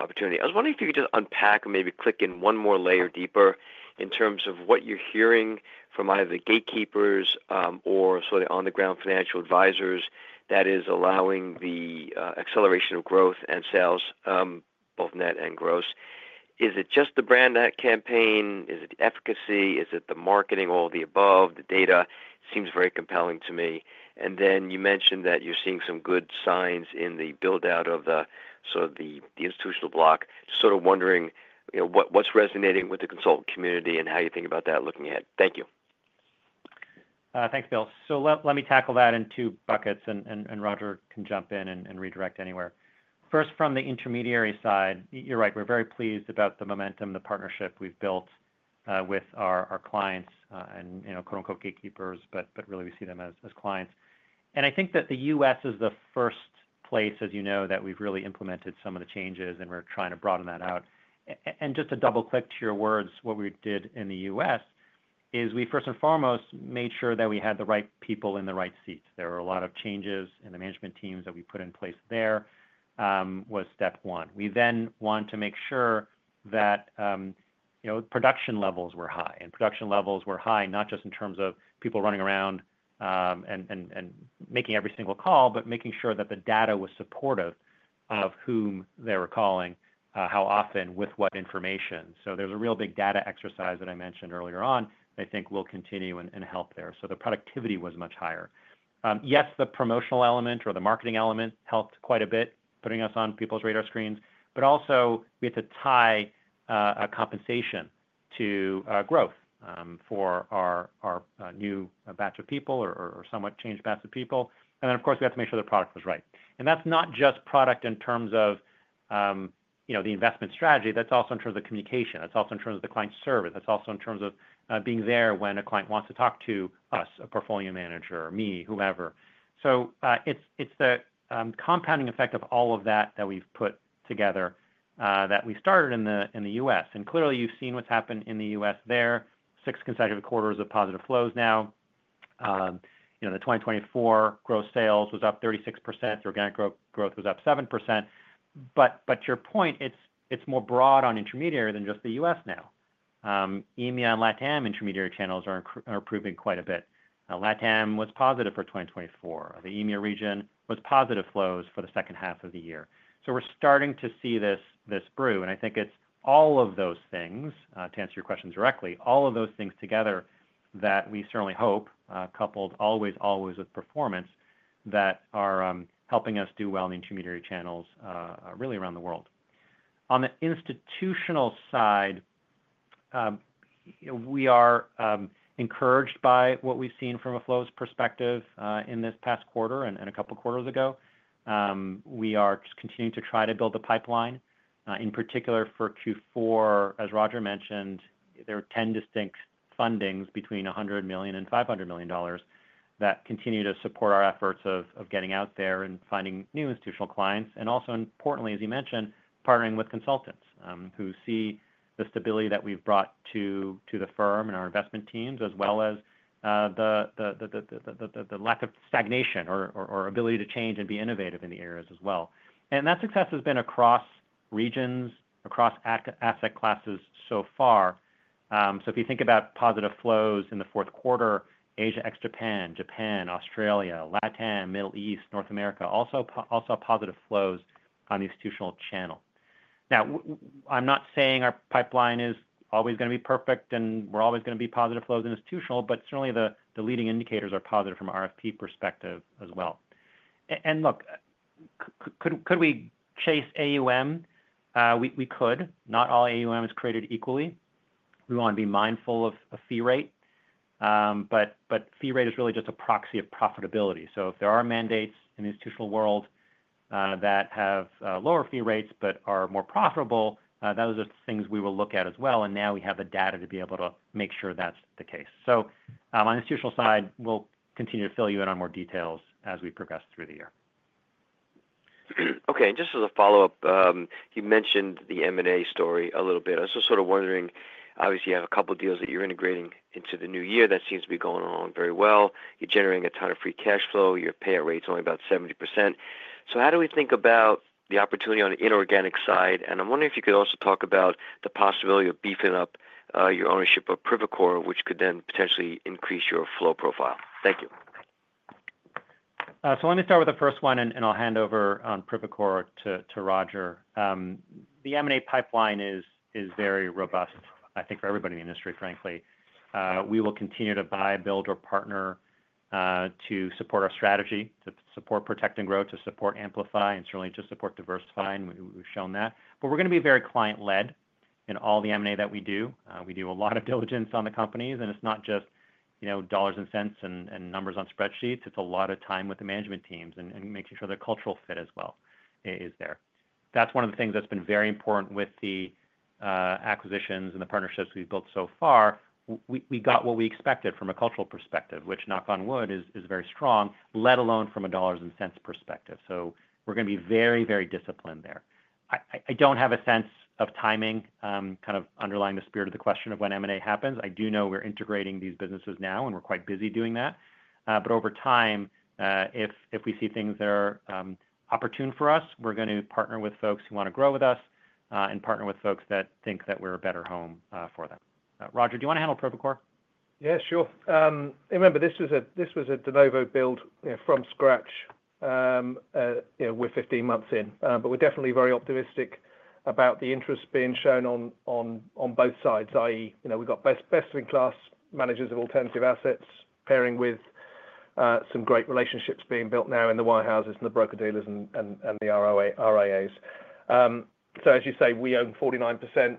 opportunity. I was wondering if you could just unpack or maybe click in one more layer deeper in terms of what you're hearing from either the gatekeepers or sort of the on-the-ground financial advisors that is allowing the acceleration of growth and sales, both net and gross. Is it just the brand ad campaign? Is it the efficacy? Is it the marketing or the above? The data seems very compelling to me. And then you mentioned that you're seeing some good signs in the build-out of sort of the institutional block. Just sort of wondering what's resonating with the consultant community and how you think about that looking ahead. Thank you. Thanks, Bill. So let me tackle that in two buckets, and Roger can jump in and redirect anywhere. First, from the intermediary side, you're right. We're very pleased about the momentum, the partnership we've built with our clients and "gatekeepers," but really we see them as clients. And I think that the U.S. is the first place, as you know, that we've really implemented some of the changes, and we're trying to broaden that out. And just to double-click to your words, what we did in the U.S. is we first and foremost made sure that we had the right people in the right seat. There were a lot of changes in the management teams that we put in place. There was step one. We then wanted to make sure that production levels were high. And production levels were high not just in terms of people running around and making every single call, but making sure that the data was supportive of whom they were calling, how often, with what information. So there's a real big data exercise that I mentioned earlier on that I think will continue and help there. So the productivity was much higher. Yes, the promotional element or the marketing element helped quite a bit, putting us on people's radar screens. But also, we had to tie compensation to growth for our new batch of people or somewhat changed batch of people. And then, of course, we had to make sure the product was right. And that's not just product in terms of the investment strategy. That's also in terms of communication. That's also in terms of the client service. That's also in terms of being there when a client wants to talk to us, a portfolio manager, me, whoever. So it's the compounding effect of all of that that we've put together that we started in the U.S. Clearly, you've seen what's happened in the U.S. there. Six consecutive quarters of positive flows now. The 2024 gross sales was up 36%. The organic growth was up 7%. To your point, it's more broad on intermediary than just the U.S. now. EMEA and LATAM intermediary channels are improving quite a bit. LATAM was positive for 2024. The EMEA region was positive flows for the second half of the year. We're starting to see this brew. I think it's all of those things, to answer your question directly, all of those things together that we certainly hope, coupled always, always with performance, that are helping us do well in the intermediary channels really around the world. On the institutional side, we are encouraged by what we've seen from a flows perspective in this past quarter and a couple of quarters ago. We are continuing to try to build the pipeline, in particular for Q4. As Roger mentioned, there are 10 distinct fundings between $100 million and $500 million that continue to support our efforts of getting out there and finding new institutional clients. And also, importantly, as you mentioned, partnering with consultants who see the stability that we've brought to the firm and our investment teams, as well as the lack of stagnation or ability to change and be innovative in the areas as well. And that success has been across regions, across asset classes so far. So if you think about positive flows in the fourth quarter, Asia ex-Japan, Japan, Australia, LATAM, Middle East, North America, also positive flows on the institutional channel. Now, I'm not saying our pipeline is always going to be perfect and we're always going to be positive flows in institutional, but certainly the leading indicators are positive from an RFP perspective as well. And look, could we chase AUM? We could. Not all AUM is created equally. We want to be mindful of fee rate. But fee rate is really just a proxy of profitability. So if there are mandates in the institutional world that have lower fee rates but are more profitable, those are things we will look at as well. And now we have the data to be able to make sure that's the case. So on the institutional side, we'll continue to fill you in on more details as we progress through the year. Okay. And just as a follow-up, you mentioned the M&A story a little bit. I was just sort of wondering, obviously, you have a couple of deals that you're integrating into the new year that seems to be going along very well. You're generating a ton of free cash flow. Your payout rate's only about 70%. So how do we think about the opportunity on the inorganic side? And I'm wondering if you could also talk about the possibility of beefing up your ownership of Privacore, which could then potentially increase your flow profile. Thank you. So let me start with the first one, and I'll hand over Privacore to Roger. The M&A pipeline is very robust, I think, for everybody in the industry, frankly. We will continue to buy, build, or partner to support our strategy, to support protect and grow, to support amplify, and certainly to support diversifying. We've shown that. But we're going to be very client-led in all the M&A that we do. We do a lot of diligence on the companies, and it's not just dollars and cents and numbers on spreadsheets. It's a lot of time with the management teams and making sure the cultural fit as well is there. That's one of the things that's been very important with the acquisitions and the partnerships we've built so far. We got what we expected from a cultural perspective, which, knock on wood, is very strong, let alone from a dollars and cents perspective. So we're going to be very, very disciplined there. I don't have a sense of timing kind of underlying the spirit of the question of when M&A happens. I do know we're integrating these businesses now, and we're quite busy doing that. Over time, if we see things that are opportune for us, we're going to partner with folks who want to grow with us and partner with folks that think that we're a better home for them. Roger, do you want to handle Privacore? Yeah, sure. Remember, this was a de novo build from scratch. We're 15 months in. We're definitely very optimistic about the interest being shown on both sides, i.e., we've got best-in-class managers of alternative assets pairing with some great relationships being built now in the wirehouses and the broker-dealers and the RIAs. So, as you say, we own 49%.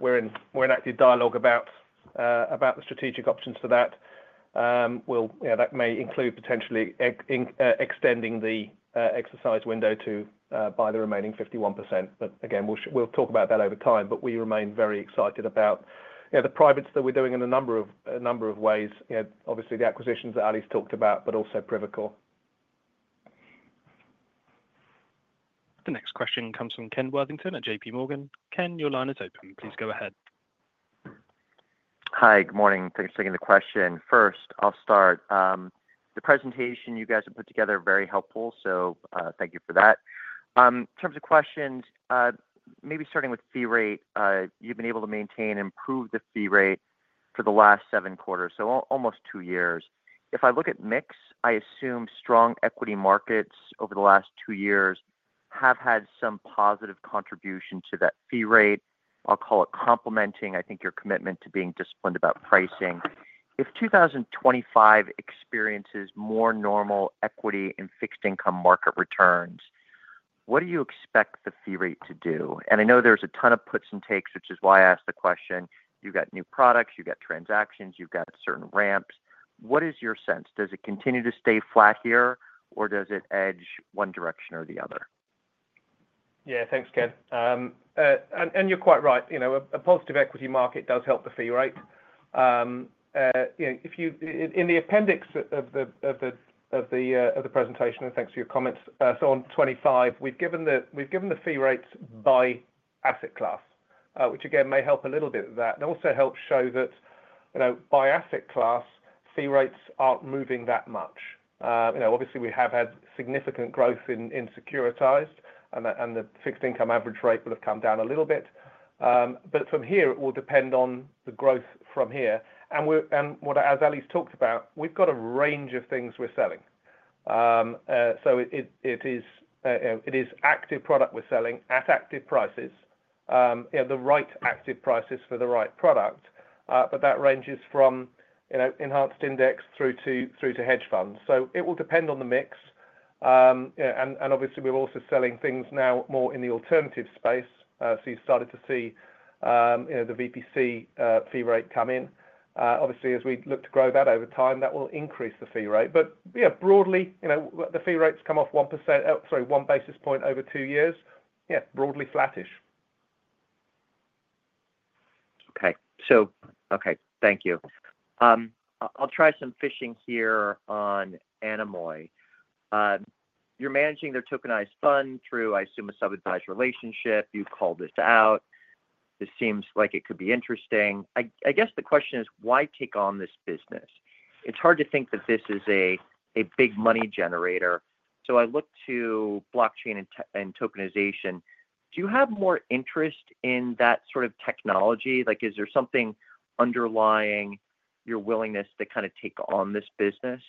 We're in active dialogue about the strategic options for that. That may include potentially extending the exercise window to buy the remaining 51%. Again, we'll talk about that over time. But we remain very excited about the privates that we're doing in a number of ways, obviously the acquisitions that Ali's talked about, but also Privacore. The next question comes from Ken Worthington at JPMorgan. Ken, your line is open. Please go ahead. Hi. Good morning. Thanks for taking the question. First, I'll start. The presentation you guys have put together is very helpful, so thank you for that. In terms of questions, maybe starting with fee rate, you've been able to maintain and improve the fee rate for the last seven quarters, so almost two years. If I look at mix, I assume strong equity markets over the last two years have had some positive contribution to that fee rate. I'll call it complementing, I think, your commitment to being disciplined about pricing. If 2025 experiences more normal equity and fixed-income market returns, what do you expect the fee rate to do? And I know there's a ton of puts and takes, which is why I asked the question. You've got new products. You've got transactions. You've got certain ramps. What is your sense? Does it continue to stay flat here, or does it edge one direction or the other? Yeah. Thanks, Ken. And you're quite right. A positive equity market does help the fee rate. In the appendix of the presentation, and thanks for your comments, so on 25, we've given the fee rates by asset class, which, again, may help a little bit with that. It also helps show that by asset class, fee rates aren't moving that much. Obviously, we have had significant growth in securitized, and the fixed-income average rate will have come down a little bit. But from here, it will depend on the growth from here. And as Ali's talked about, we've got a range of things we're selling. So it is active product we're selling at active prices, the right active prices for the right product. But that ranges from enhanced index through to hedge funds. So it will depend on the mix. And obviously, we're also selling things now more in the alternative space. So you've started to see the VPC fee rate come in. Obviously, as we look to grow that over time, that will increase the fee rate. But yeah, broadly, the fee rates came off 1%, sorry, 1 basis point over two years. Yeah, broadly flattish. Okay. So. Okay. Thank you. I'll try some fishing here on Anemoy. You're managing their tokenized fund through, I assume, a sub-advisor relationship. You've called this out. This seems like it could be interesting. I guess the question is, why take on this business? It's hard to think that this is a big money generator. So I look to blockchain and tokenization. Do you have more interest in that sort of technology? Is there something underlying your willingness to kind of take on this business?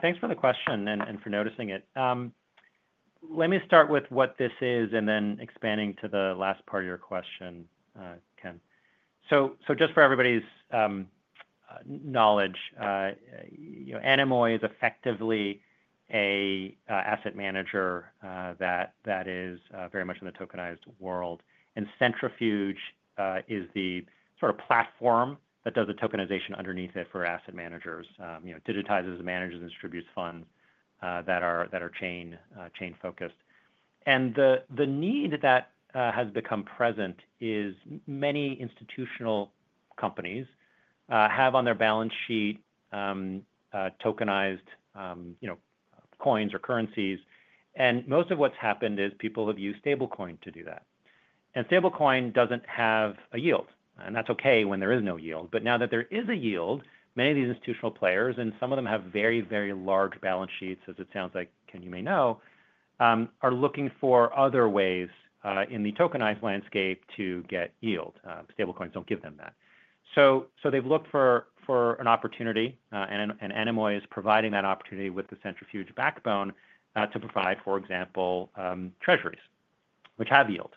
Thanks for the question and for noticing it. Let me start with what this is and then expanding to the last part of your question, Ken. So just for everybody's knowledge, Anemoy is effectively an asset manager that is very much in the tokenized world. And Centrifuge is the sort of platform that does the tokenization underneath it for asset managers, digitizes the managers, and distributes funds that are chain-focused. And the need that has become present is many institutional companies have on their balance sheet tokenized coins or currencies. Most of what's happened is people have used stablecoin to do that. Stablecoin doesn't have a yield. That's okay when there is no yield. Now that there is a yield, many of these institutional players, and some of them have very, very large balance sheets, as it sounds like, Ken, you may know, are looking for other ways in the tokenized landscape to get yield. Stablecoins don't give them that. They've looked for an opportunity, and Anemoy is providing that opportunity with the Centrifuge backbone to provide, for example, treasuries, which have yield.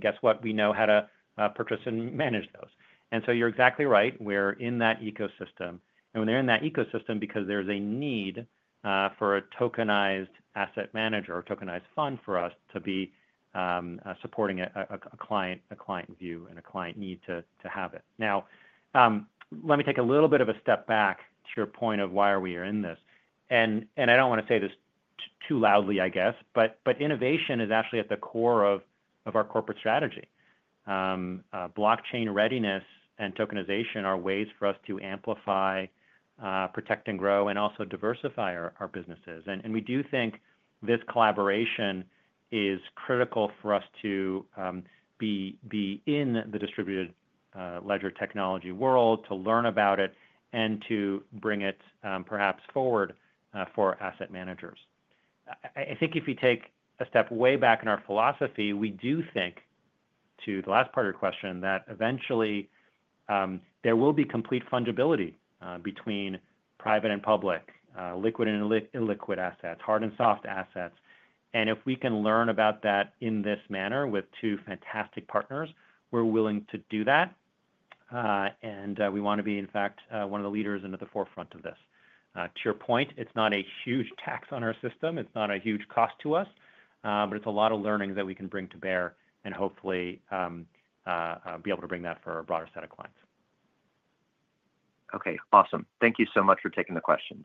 Guess what? We know how to purchase and manage those. You're exactly right. We're in that ecosystem. We're in that ecosystem because there's a need for a tokenized asset manager or tokenized fund for us to be supporting a client view and a client need to have it. Now, let me take a little bit of a step back to your point of why we are in this. And I don't want to say this too loudly, I guess, but innovation is actually at the core of our corporate strategy. Blockchain readiness and tokenization are ways for us to amplify, protect, and grow, and also diversify our businesses. And we do think this collaboration is critical for us to be in the distributed ledger technology world, to learn about it, and to bring it perhaps forward for asset managers. I think if we take a step way back in our philosophy, we do think, to the last part of your question, that eventually there will be complete fungibility between private and public, liquid and illiquid assets, hard and soft assets. And if we can learn about that in this manner with two fantastic partners, we're willing to do that. And we want to be, in fact, one of the leaders and at the forefront of this. To your point, it's not a huge tax on our system. It's not a huge cost to us. But it's a lot of learning that we can bring to bear and hopefully be able to bring that for a broader set of clients. Okay. Awesome. Thank you so much for taking the questions.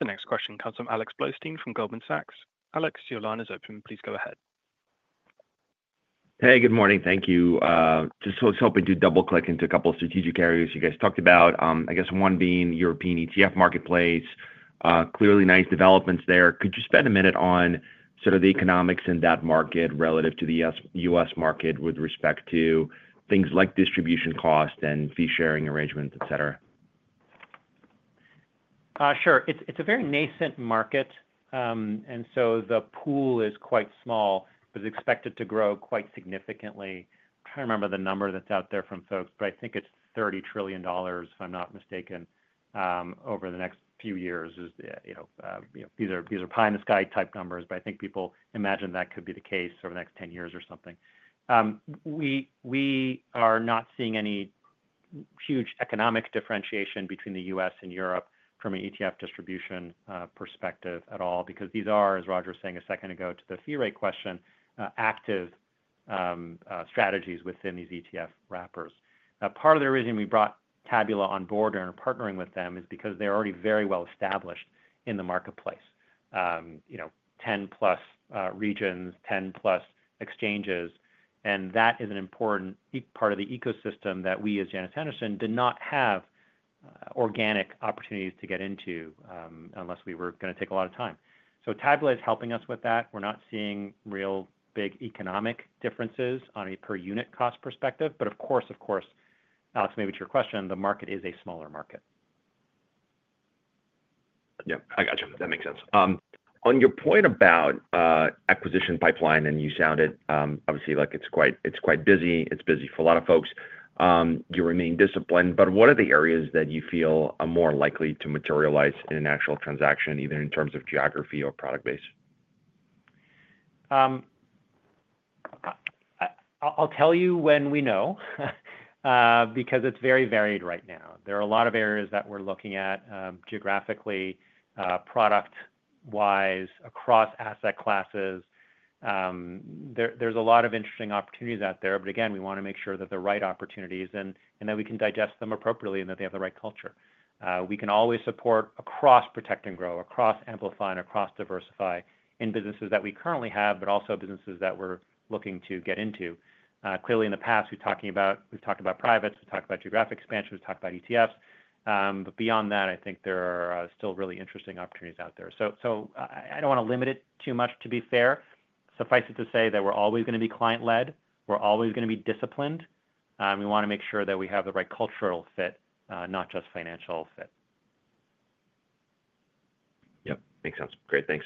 The next question comes from Alex Blostein from Goldman Sachs. Alex, your line is open. Please go ahead. Hey, good morning. Thank you. Just was hoping to double-click into a couple of strategic areas you guys talked about. I guess one being European ETF marketplace. Clearly, nice developments there. Could you spend a minute on sort of the economics in that market relative to the U.S. market with respect to things like distribution cost and fee-sharing arrangements, etc.? Sure. It's a very nascent market. And so the pool is quite small, but it's expected to grow quite significantly. I'm trying to remember the number that's out there from folks, but I think it's $30 trillion, if I'm not mistaken, over the next few years. These are pie-in-the-sky type numbers, but I think people imagine that could be the case over the next 10 years or something. We are not seeing any huge economic differentiation between the U.S. and Europe from an ETF distribution perspective at all because these are, as Roger was saying a second ago to the fee rate question, active strategies within these ETF wrappers. Part of the reason we brought Tabula on board and are partnering with them is because they're already very well established in the marketplace, 10-plus regions, 10-plus exchanges. And that is an important part of the ecosystem that we, as Janus Henderson, did not have organic opportunities to get into unless we were going to take a lot of time. So Tabula is helping us with that. We're not seeing real big economic differences on a per-unit cost perspective. But of course, of course, Alex, maybe to your question, the market is a smaller market. Yeah. I gotcha. That makes sense. On your point about acquisition pipeline, and you sounded obviously like it's quite busy. It's busy for a lot of folks. You remain disciplined. But what are the areas that you feel are more likely to materialize in an actual transaction, either in terms of geography or product base? I'll tell you when we know because it's very varied right now. There are a lot of areas that we're looking at geographically, product-wise, across asset classes. There's a lot of interesting opportunities out there. But again, we want to make sure that they're right opportunities and that we can digest them appropriately and that they have the right culture. We can always support across protect and grow, across amplify, and across diversify in businesses that we currently have, but also businesses that we're looking to get into. Clearly, in the past, we've talked about privates. We've talked about geographic expansion. We've talked about ETFs. But beyond that, I think there are still really interesting opportunities out there. So I don't want to limit it too much, to be fair. Suffice it to say that we're always going to be client-led. We're always going to be disciplined. We want to make sure that we have the right cultural fit, not just financial fit. Yep. Makes sense. Great. Thanks.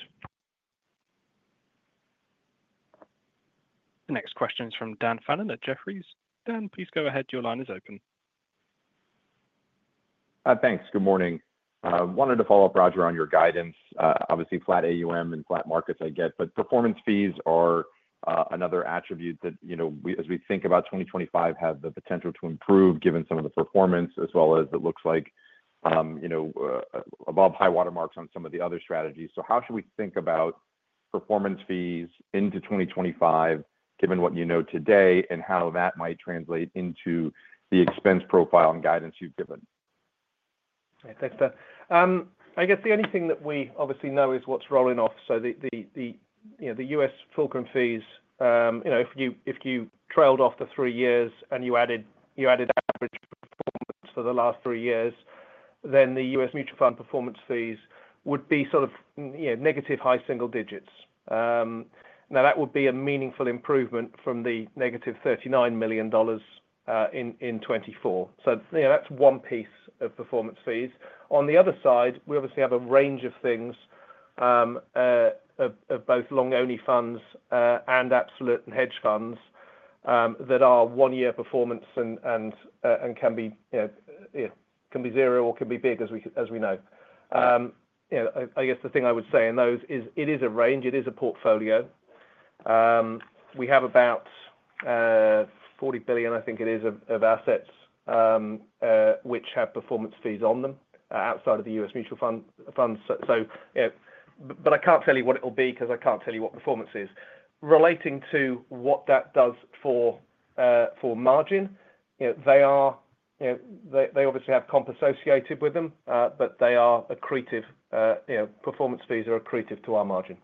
The next question is from Dan Fannon at Jefferies. Dan, please go ahead. Your line is open. Thanks. Good morning. Wanted to follow up, Roger, on your guidance. Obviously, flat AUM and flat markets, I get. But performance fees are another attribute that, as we think about 2025, have the potential to improve given some of the performance, as well as it looks like above high watermarks on some of the other strategies. So how should we think about performance fees into 2025, given what you know today, and how that might translate into the expense profile and guidance you've given? Okay. Thanks, Dan. I guess the only thing that we obviously know is what's rolling off. So the U.S. trailing fees, if you trailed over the three years and you added average performance for the last three years, then the U.S. mutual fund performance fees would be sort of negative high single digits. Now, that would be a meaningful improvement from the negative $39 million in 2024. So that's one piece of performance fees. On the other side, we obviously have a range of things of both long-only funds and absolute and hedge funds that are one-year performance and can be zero or can be big, as we know. I guess the thing I would say in those is it is a range. It is a portfolio. We have about $40 billion, I think it is, of assets which have performance fees on them outside of the U.S. mutual funds. But I can't tell you what it will be because I can't tell you what performance is. Relating to what that does for margin, they obviously have comp associated with them, but they are accretive. Performance fees are accretive to our margin.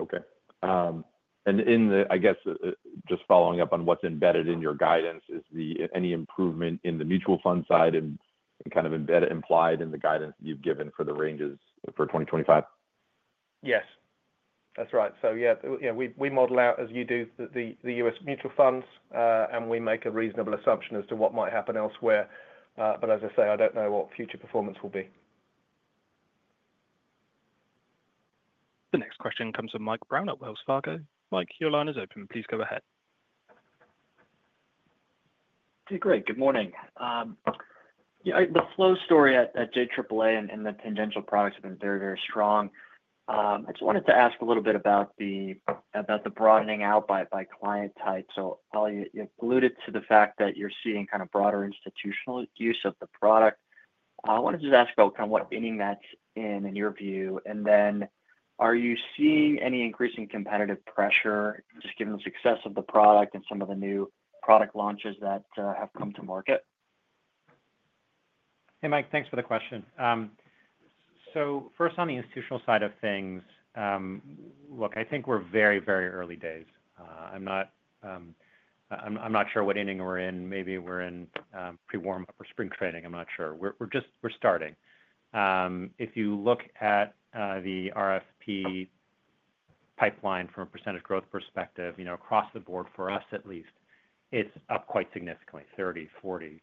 Okay. And I guess just following up on what's embedded in your guidance, is there any improvement in the mutual fund side and kind of implied in the guidance that you've given for the ranges for 2025? Yes. That's right. So yeah, we model out, as you do, the U.S. mutual funds, and we make a reasonable assumption as to what might happen elsewhere. But as I say, I don't know what future performance will be. The next question comes from Mike Brown at Wells Fargo. Mike, your line is open. Please go ahead. Okay. Great. Good morning. The flow story at JAAA and the tangential products have been very, very strong. I just wanted to ask a little bit about the broadening out by client type. So you alluded to the fact that you're seeing kind of broader institutional use of the product. I wanted to just ask about kind of what inning that's in, in your view. And then are you seeing any increasing competitive pressure just given the success of the product and some of the new product launches that have come to market? Hey, Mike. Thanks for the question. So first, on the institutional side of things, look, I think we're very, very early days. I'm not sure what inning we're in. Maybe we're in pre-warm up or spring training. I'm not sure. We're starting. If you look at the RFP pipeline from a percentage growth perspective across the board, for us at least, it's up quite significantly, 30%, 40%,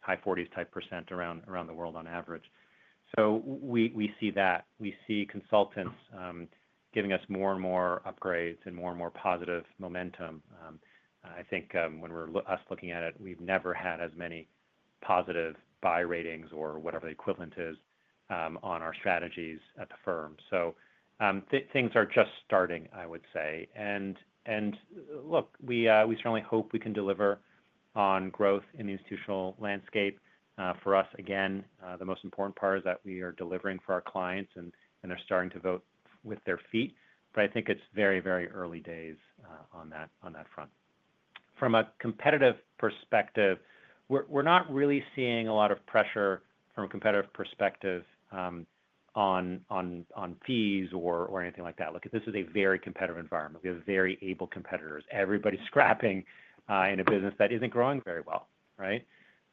high 40s-type % around the world on average. So we see that. We see consultants giving us more and more upgrades and more and more positive momentum. I think when we're looking at it, we've never had as many positive buy ratings or whatever the equivalent is on our strategies at the firm. So things are just starting, I would say, and look, we certainly hope we can deliver on growth in the institutional landscape. For us, again, the most important part is that we are delivering for our clients, and they're starting to vote with their feet, but I think it's very, very early days on that front. From a competitive perspective, we're not really seeing a lot of pressure from a competitive perspective on fees or anything like that. Look, this is a very competitive environment. We have very able competitors. Everybody's scrapping in a business that isn't growing very well, right?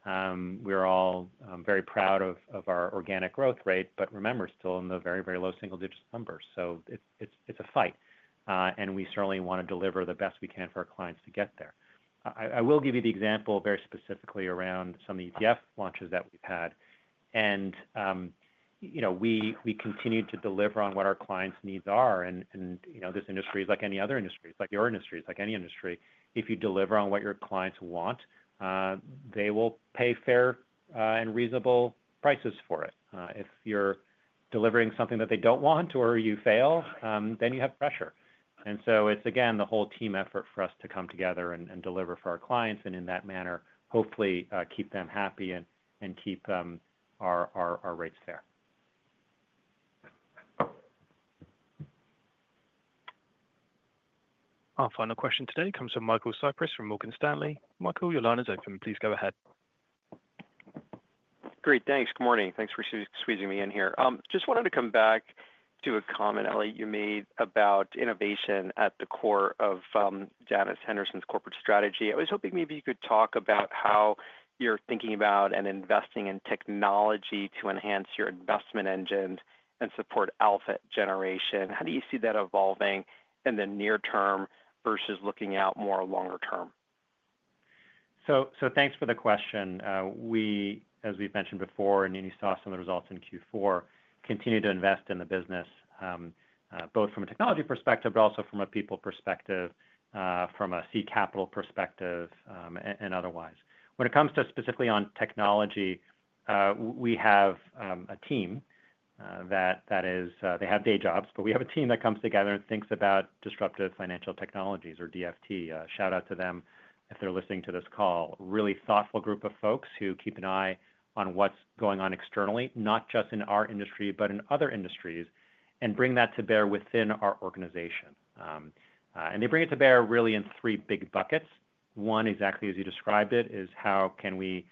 We're all very proud of our organic growth rate, but remember, still in the very, very low single digit numbers. So it's a fight. And we certainly want to deliver the best we can for our clients to get there. I will give you the example very specifically around some of the ETF launches that we've had. And we continue to deliver on what our clients' needs are. And this industry is like any other industry, it's like your industry. It's like any industry. If you deliver on what your clients want, they will pay fair and reasonable prices for it. If you're delivering something that they don't want or you fail, then you have pressure, and so it's, again, the whole team effort for us to come together and deliver for our clients and in that manner, hopefully, keep them happy and keep our rates fair. Our final question today comes from Michael Cyprys from Morgan Stanley. Michael, your line is open. Please go ahead. Great. Thanks. Good morning. Thanks for squeezing me in here. Just wanted to come back to a comment, Ali, you made about innovation at the core of Janus Henderson's corporate strategy. I was hoping maybe you could talk about how you're thinking about and investing in technology to enhance your investment engines and support alpha generation. How do you see that evolving in the near term versus looking out more longer term? So thanks for the question. We, as we've mentioned before, and you saw some of the results in Q4, continue to invest in the business, both from a technology perspective, but also from a people perspective, from a seed capital perspective, and otherwise. When it comes to specifically on technology, we have a team that comes together and thinks about disruptive financial technologies or DFT. Shout out to them if they're listening to this call. Really thoughtful group of folks who keep an eye on what's going on externally, not just in our industry, but in other industries, and bring that to bear within our organization, and they bring it to bear really in three big buckets. One, exactly as you described it, is how can we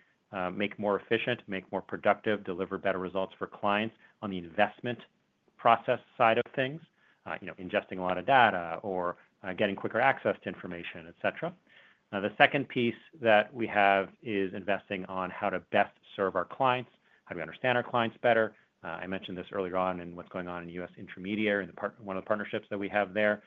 make more efficient, make more productive, deliver better results for clients on the investment process side of things, ingesting a lot of data or getting quicker access to information, etc. Now, the second piece that we have is investing on how to best serve our clients, how do we understand our clients better. I mentioned this earlier on in what's going on in U.S. Intermediary. One of the partnerships that we have there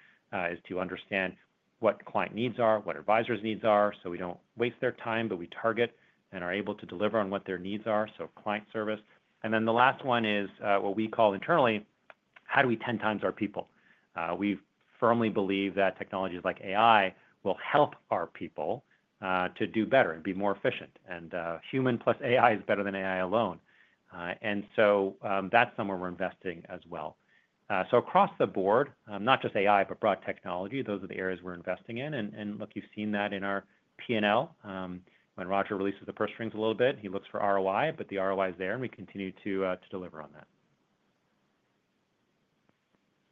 is to understand what client needs are, what advisors' needs are, so we don't waste their time, but we target and are able to deliver on what their needs are. So client service. And then the last one is what we call internally, how do we 10 times our people? We firmly believe that technologies like AI will help our people to do better and be more efficient. And human plus AI is better than AI alone. And so that's somewhere we're investing as well. So across the board, not just AI, but broad technology, those are the areas we're investing in. And look, you've seen that in our P&L. When Roger releases the purse strings a little bit, he looks for ROI, but the ROI is there, and we continue to deliver on that.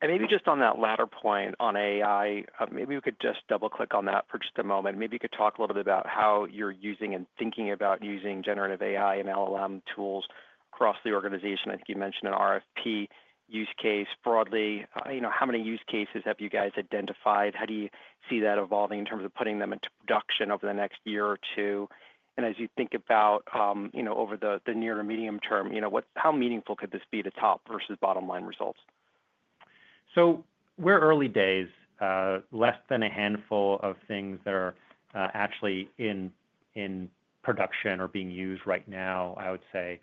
And maybe just on that latter point on AI, maybe we could just double-click on that for just a moment. Maybe you could talk a little bit about how you're using and thinking about using generative AI and LLM tools across the organization. I think you mentioned an RFP use case broadly. How many use cases have you guys identified? How do you see that evolving in terms of putting them into production over the next year or two? And as you think about over the near to medium term, how meaningful could this be to top versus bottom line results? So we're early days. Less than a handful of things that are actually in production or being used right now, I would say.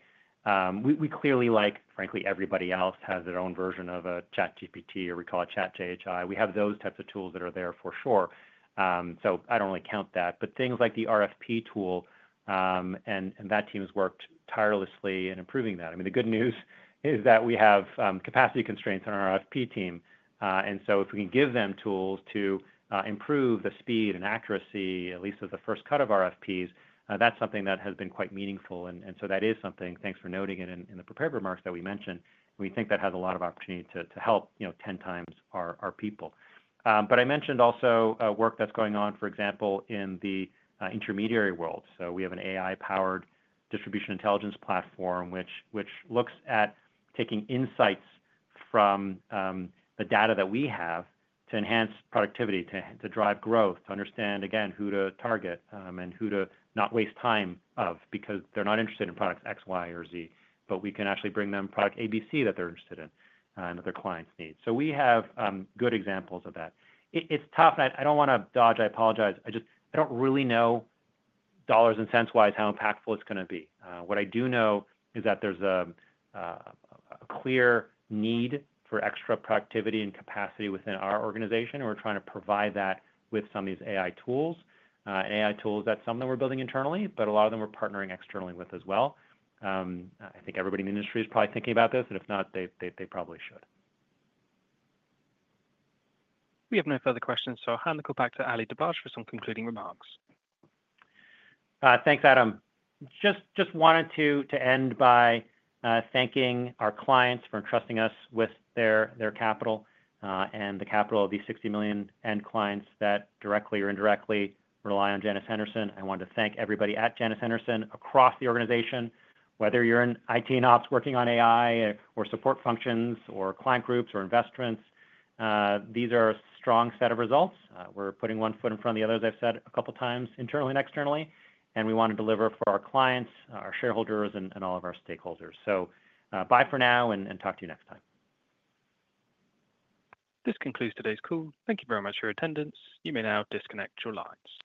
We clearly like, frankly, everybody else has their own version of a ChatGPT, or we call it ChatJHI. We have those types of tools that are there for sure. So I don't really count that. But things like the RFP tool, and that team has worked tirelessly in improving that. I mean, the good news is that we have capacity constraints on our RFP team. And so if we can give them tools to improve the speed and accuracy, at least of the first cut of RFPs, that's something that has been quite meaningful. And so that is something, thanks for noting it in the prepared remarks that we mentioned, we think that has a lot of opportunity to help 10 times our people. But I mentioned also work that's going on, for example, in the intermediary world. So we have an AI-powered distribution intelligence platform, which looks at taking insights from the data that we have to enhance productivity, to drive growth, to understand, again, who to target and who to not waste time of because they're not interested in products X, Y, or Z. But we can actually bring them product A, B, C that they're interested in and that their clients need. So we have good examples of that. It's tough. I don't want to dodge. I apologize. I don't really know dollars and cents-wise how impactful it's going to be. What I do know is that there's a clear need for extra productivity and capacity within our organization. And we're trying to provide that with some of these AI tools. And AI tools are something that we're building internally, but a lot of them we're partnering externally with as well. I think everybody in the industry is probably thinking about this. And if not, they probably should. We have no further questions. So I'll hand the call back to Ali Dibadj for some concluding remarks. Thanks, Adam. Just wanted to end by thanking our clients for trusting us with their capital and the capital of these 60 million end clients that directly or indirectly rely on Janus Henderson. I wanted to thank everybody at Janus Henderson across the organization, whether you're in IT and ops working on AI or support functions or client groups or investments. These are a strong set of results. We're putting one foot in front of the others. I've said a couple of times, internally and externally. We want to deliver for our clients, our shareholders, and all of our stakeholders. So bye for now, and talk to you next time. This concludes today's call. Thank you very much for your attendance. You may now disconnect your lines.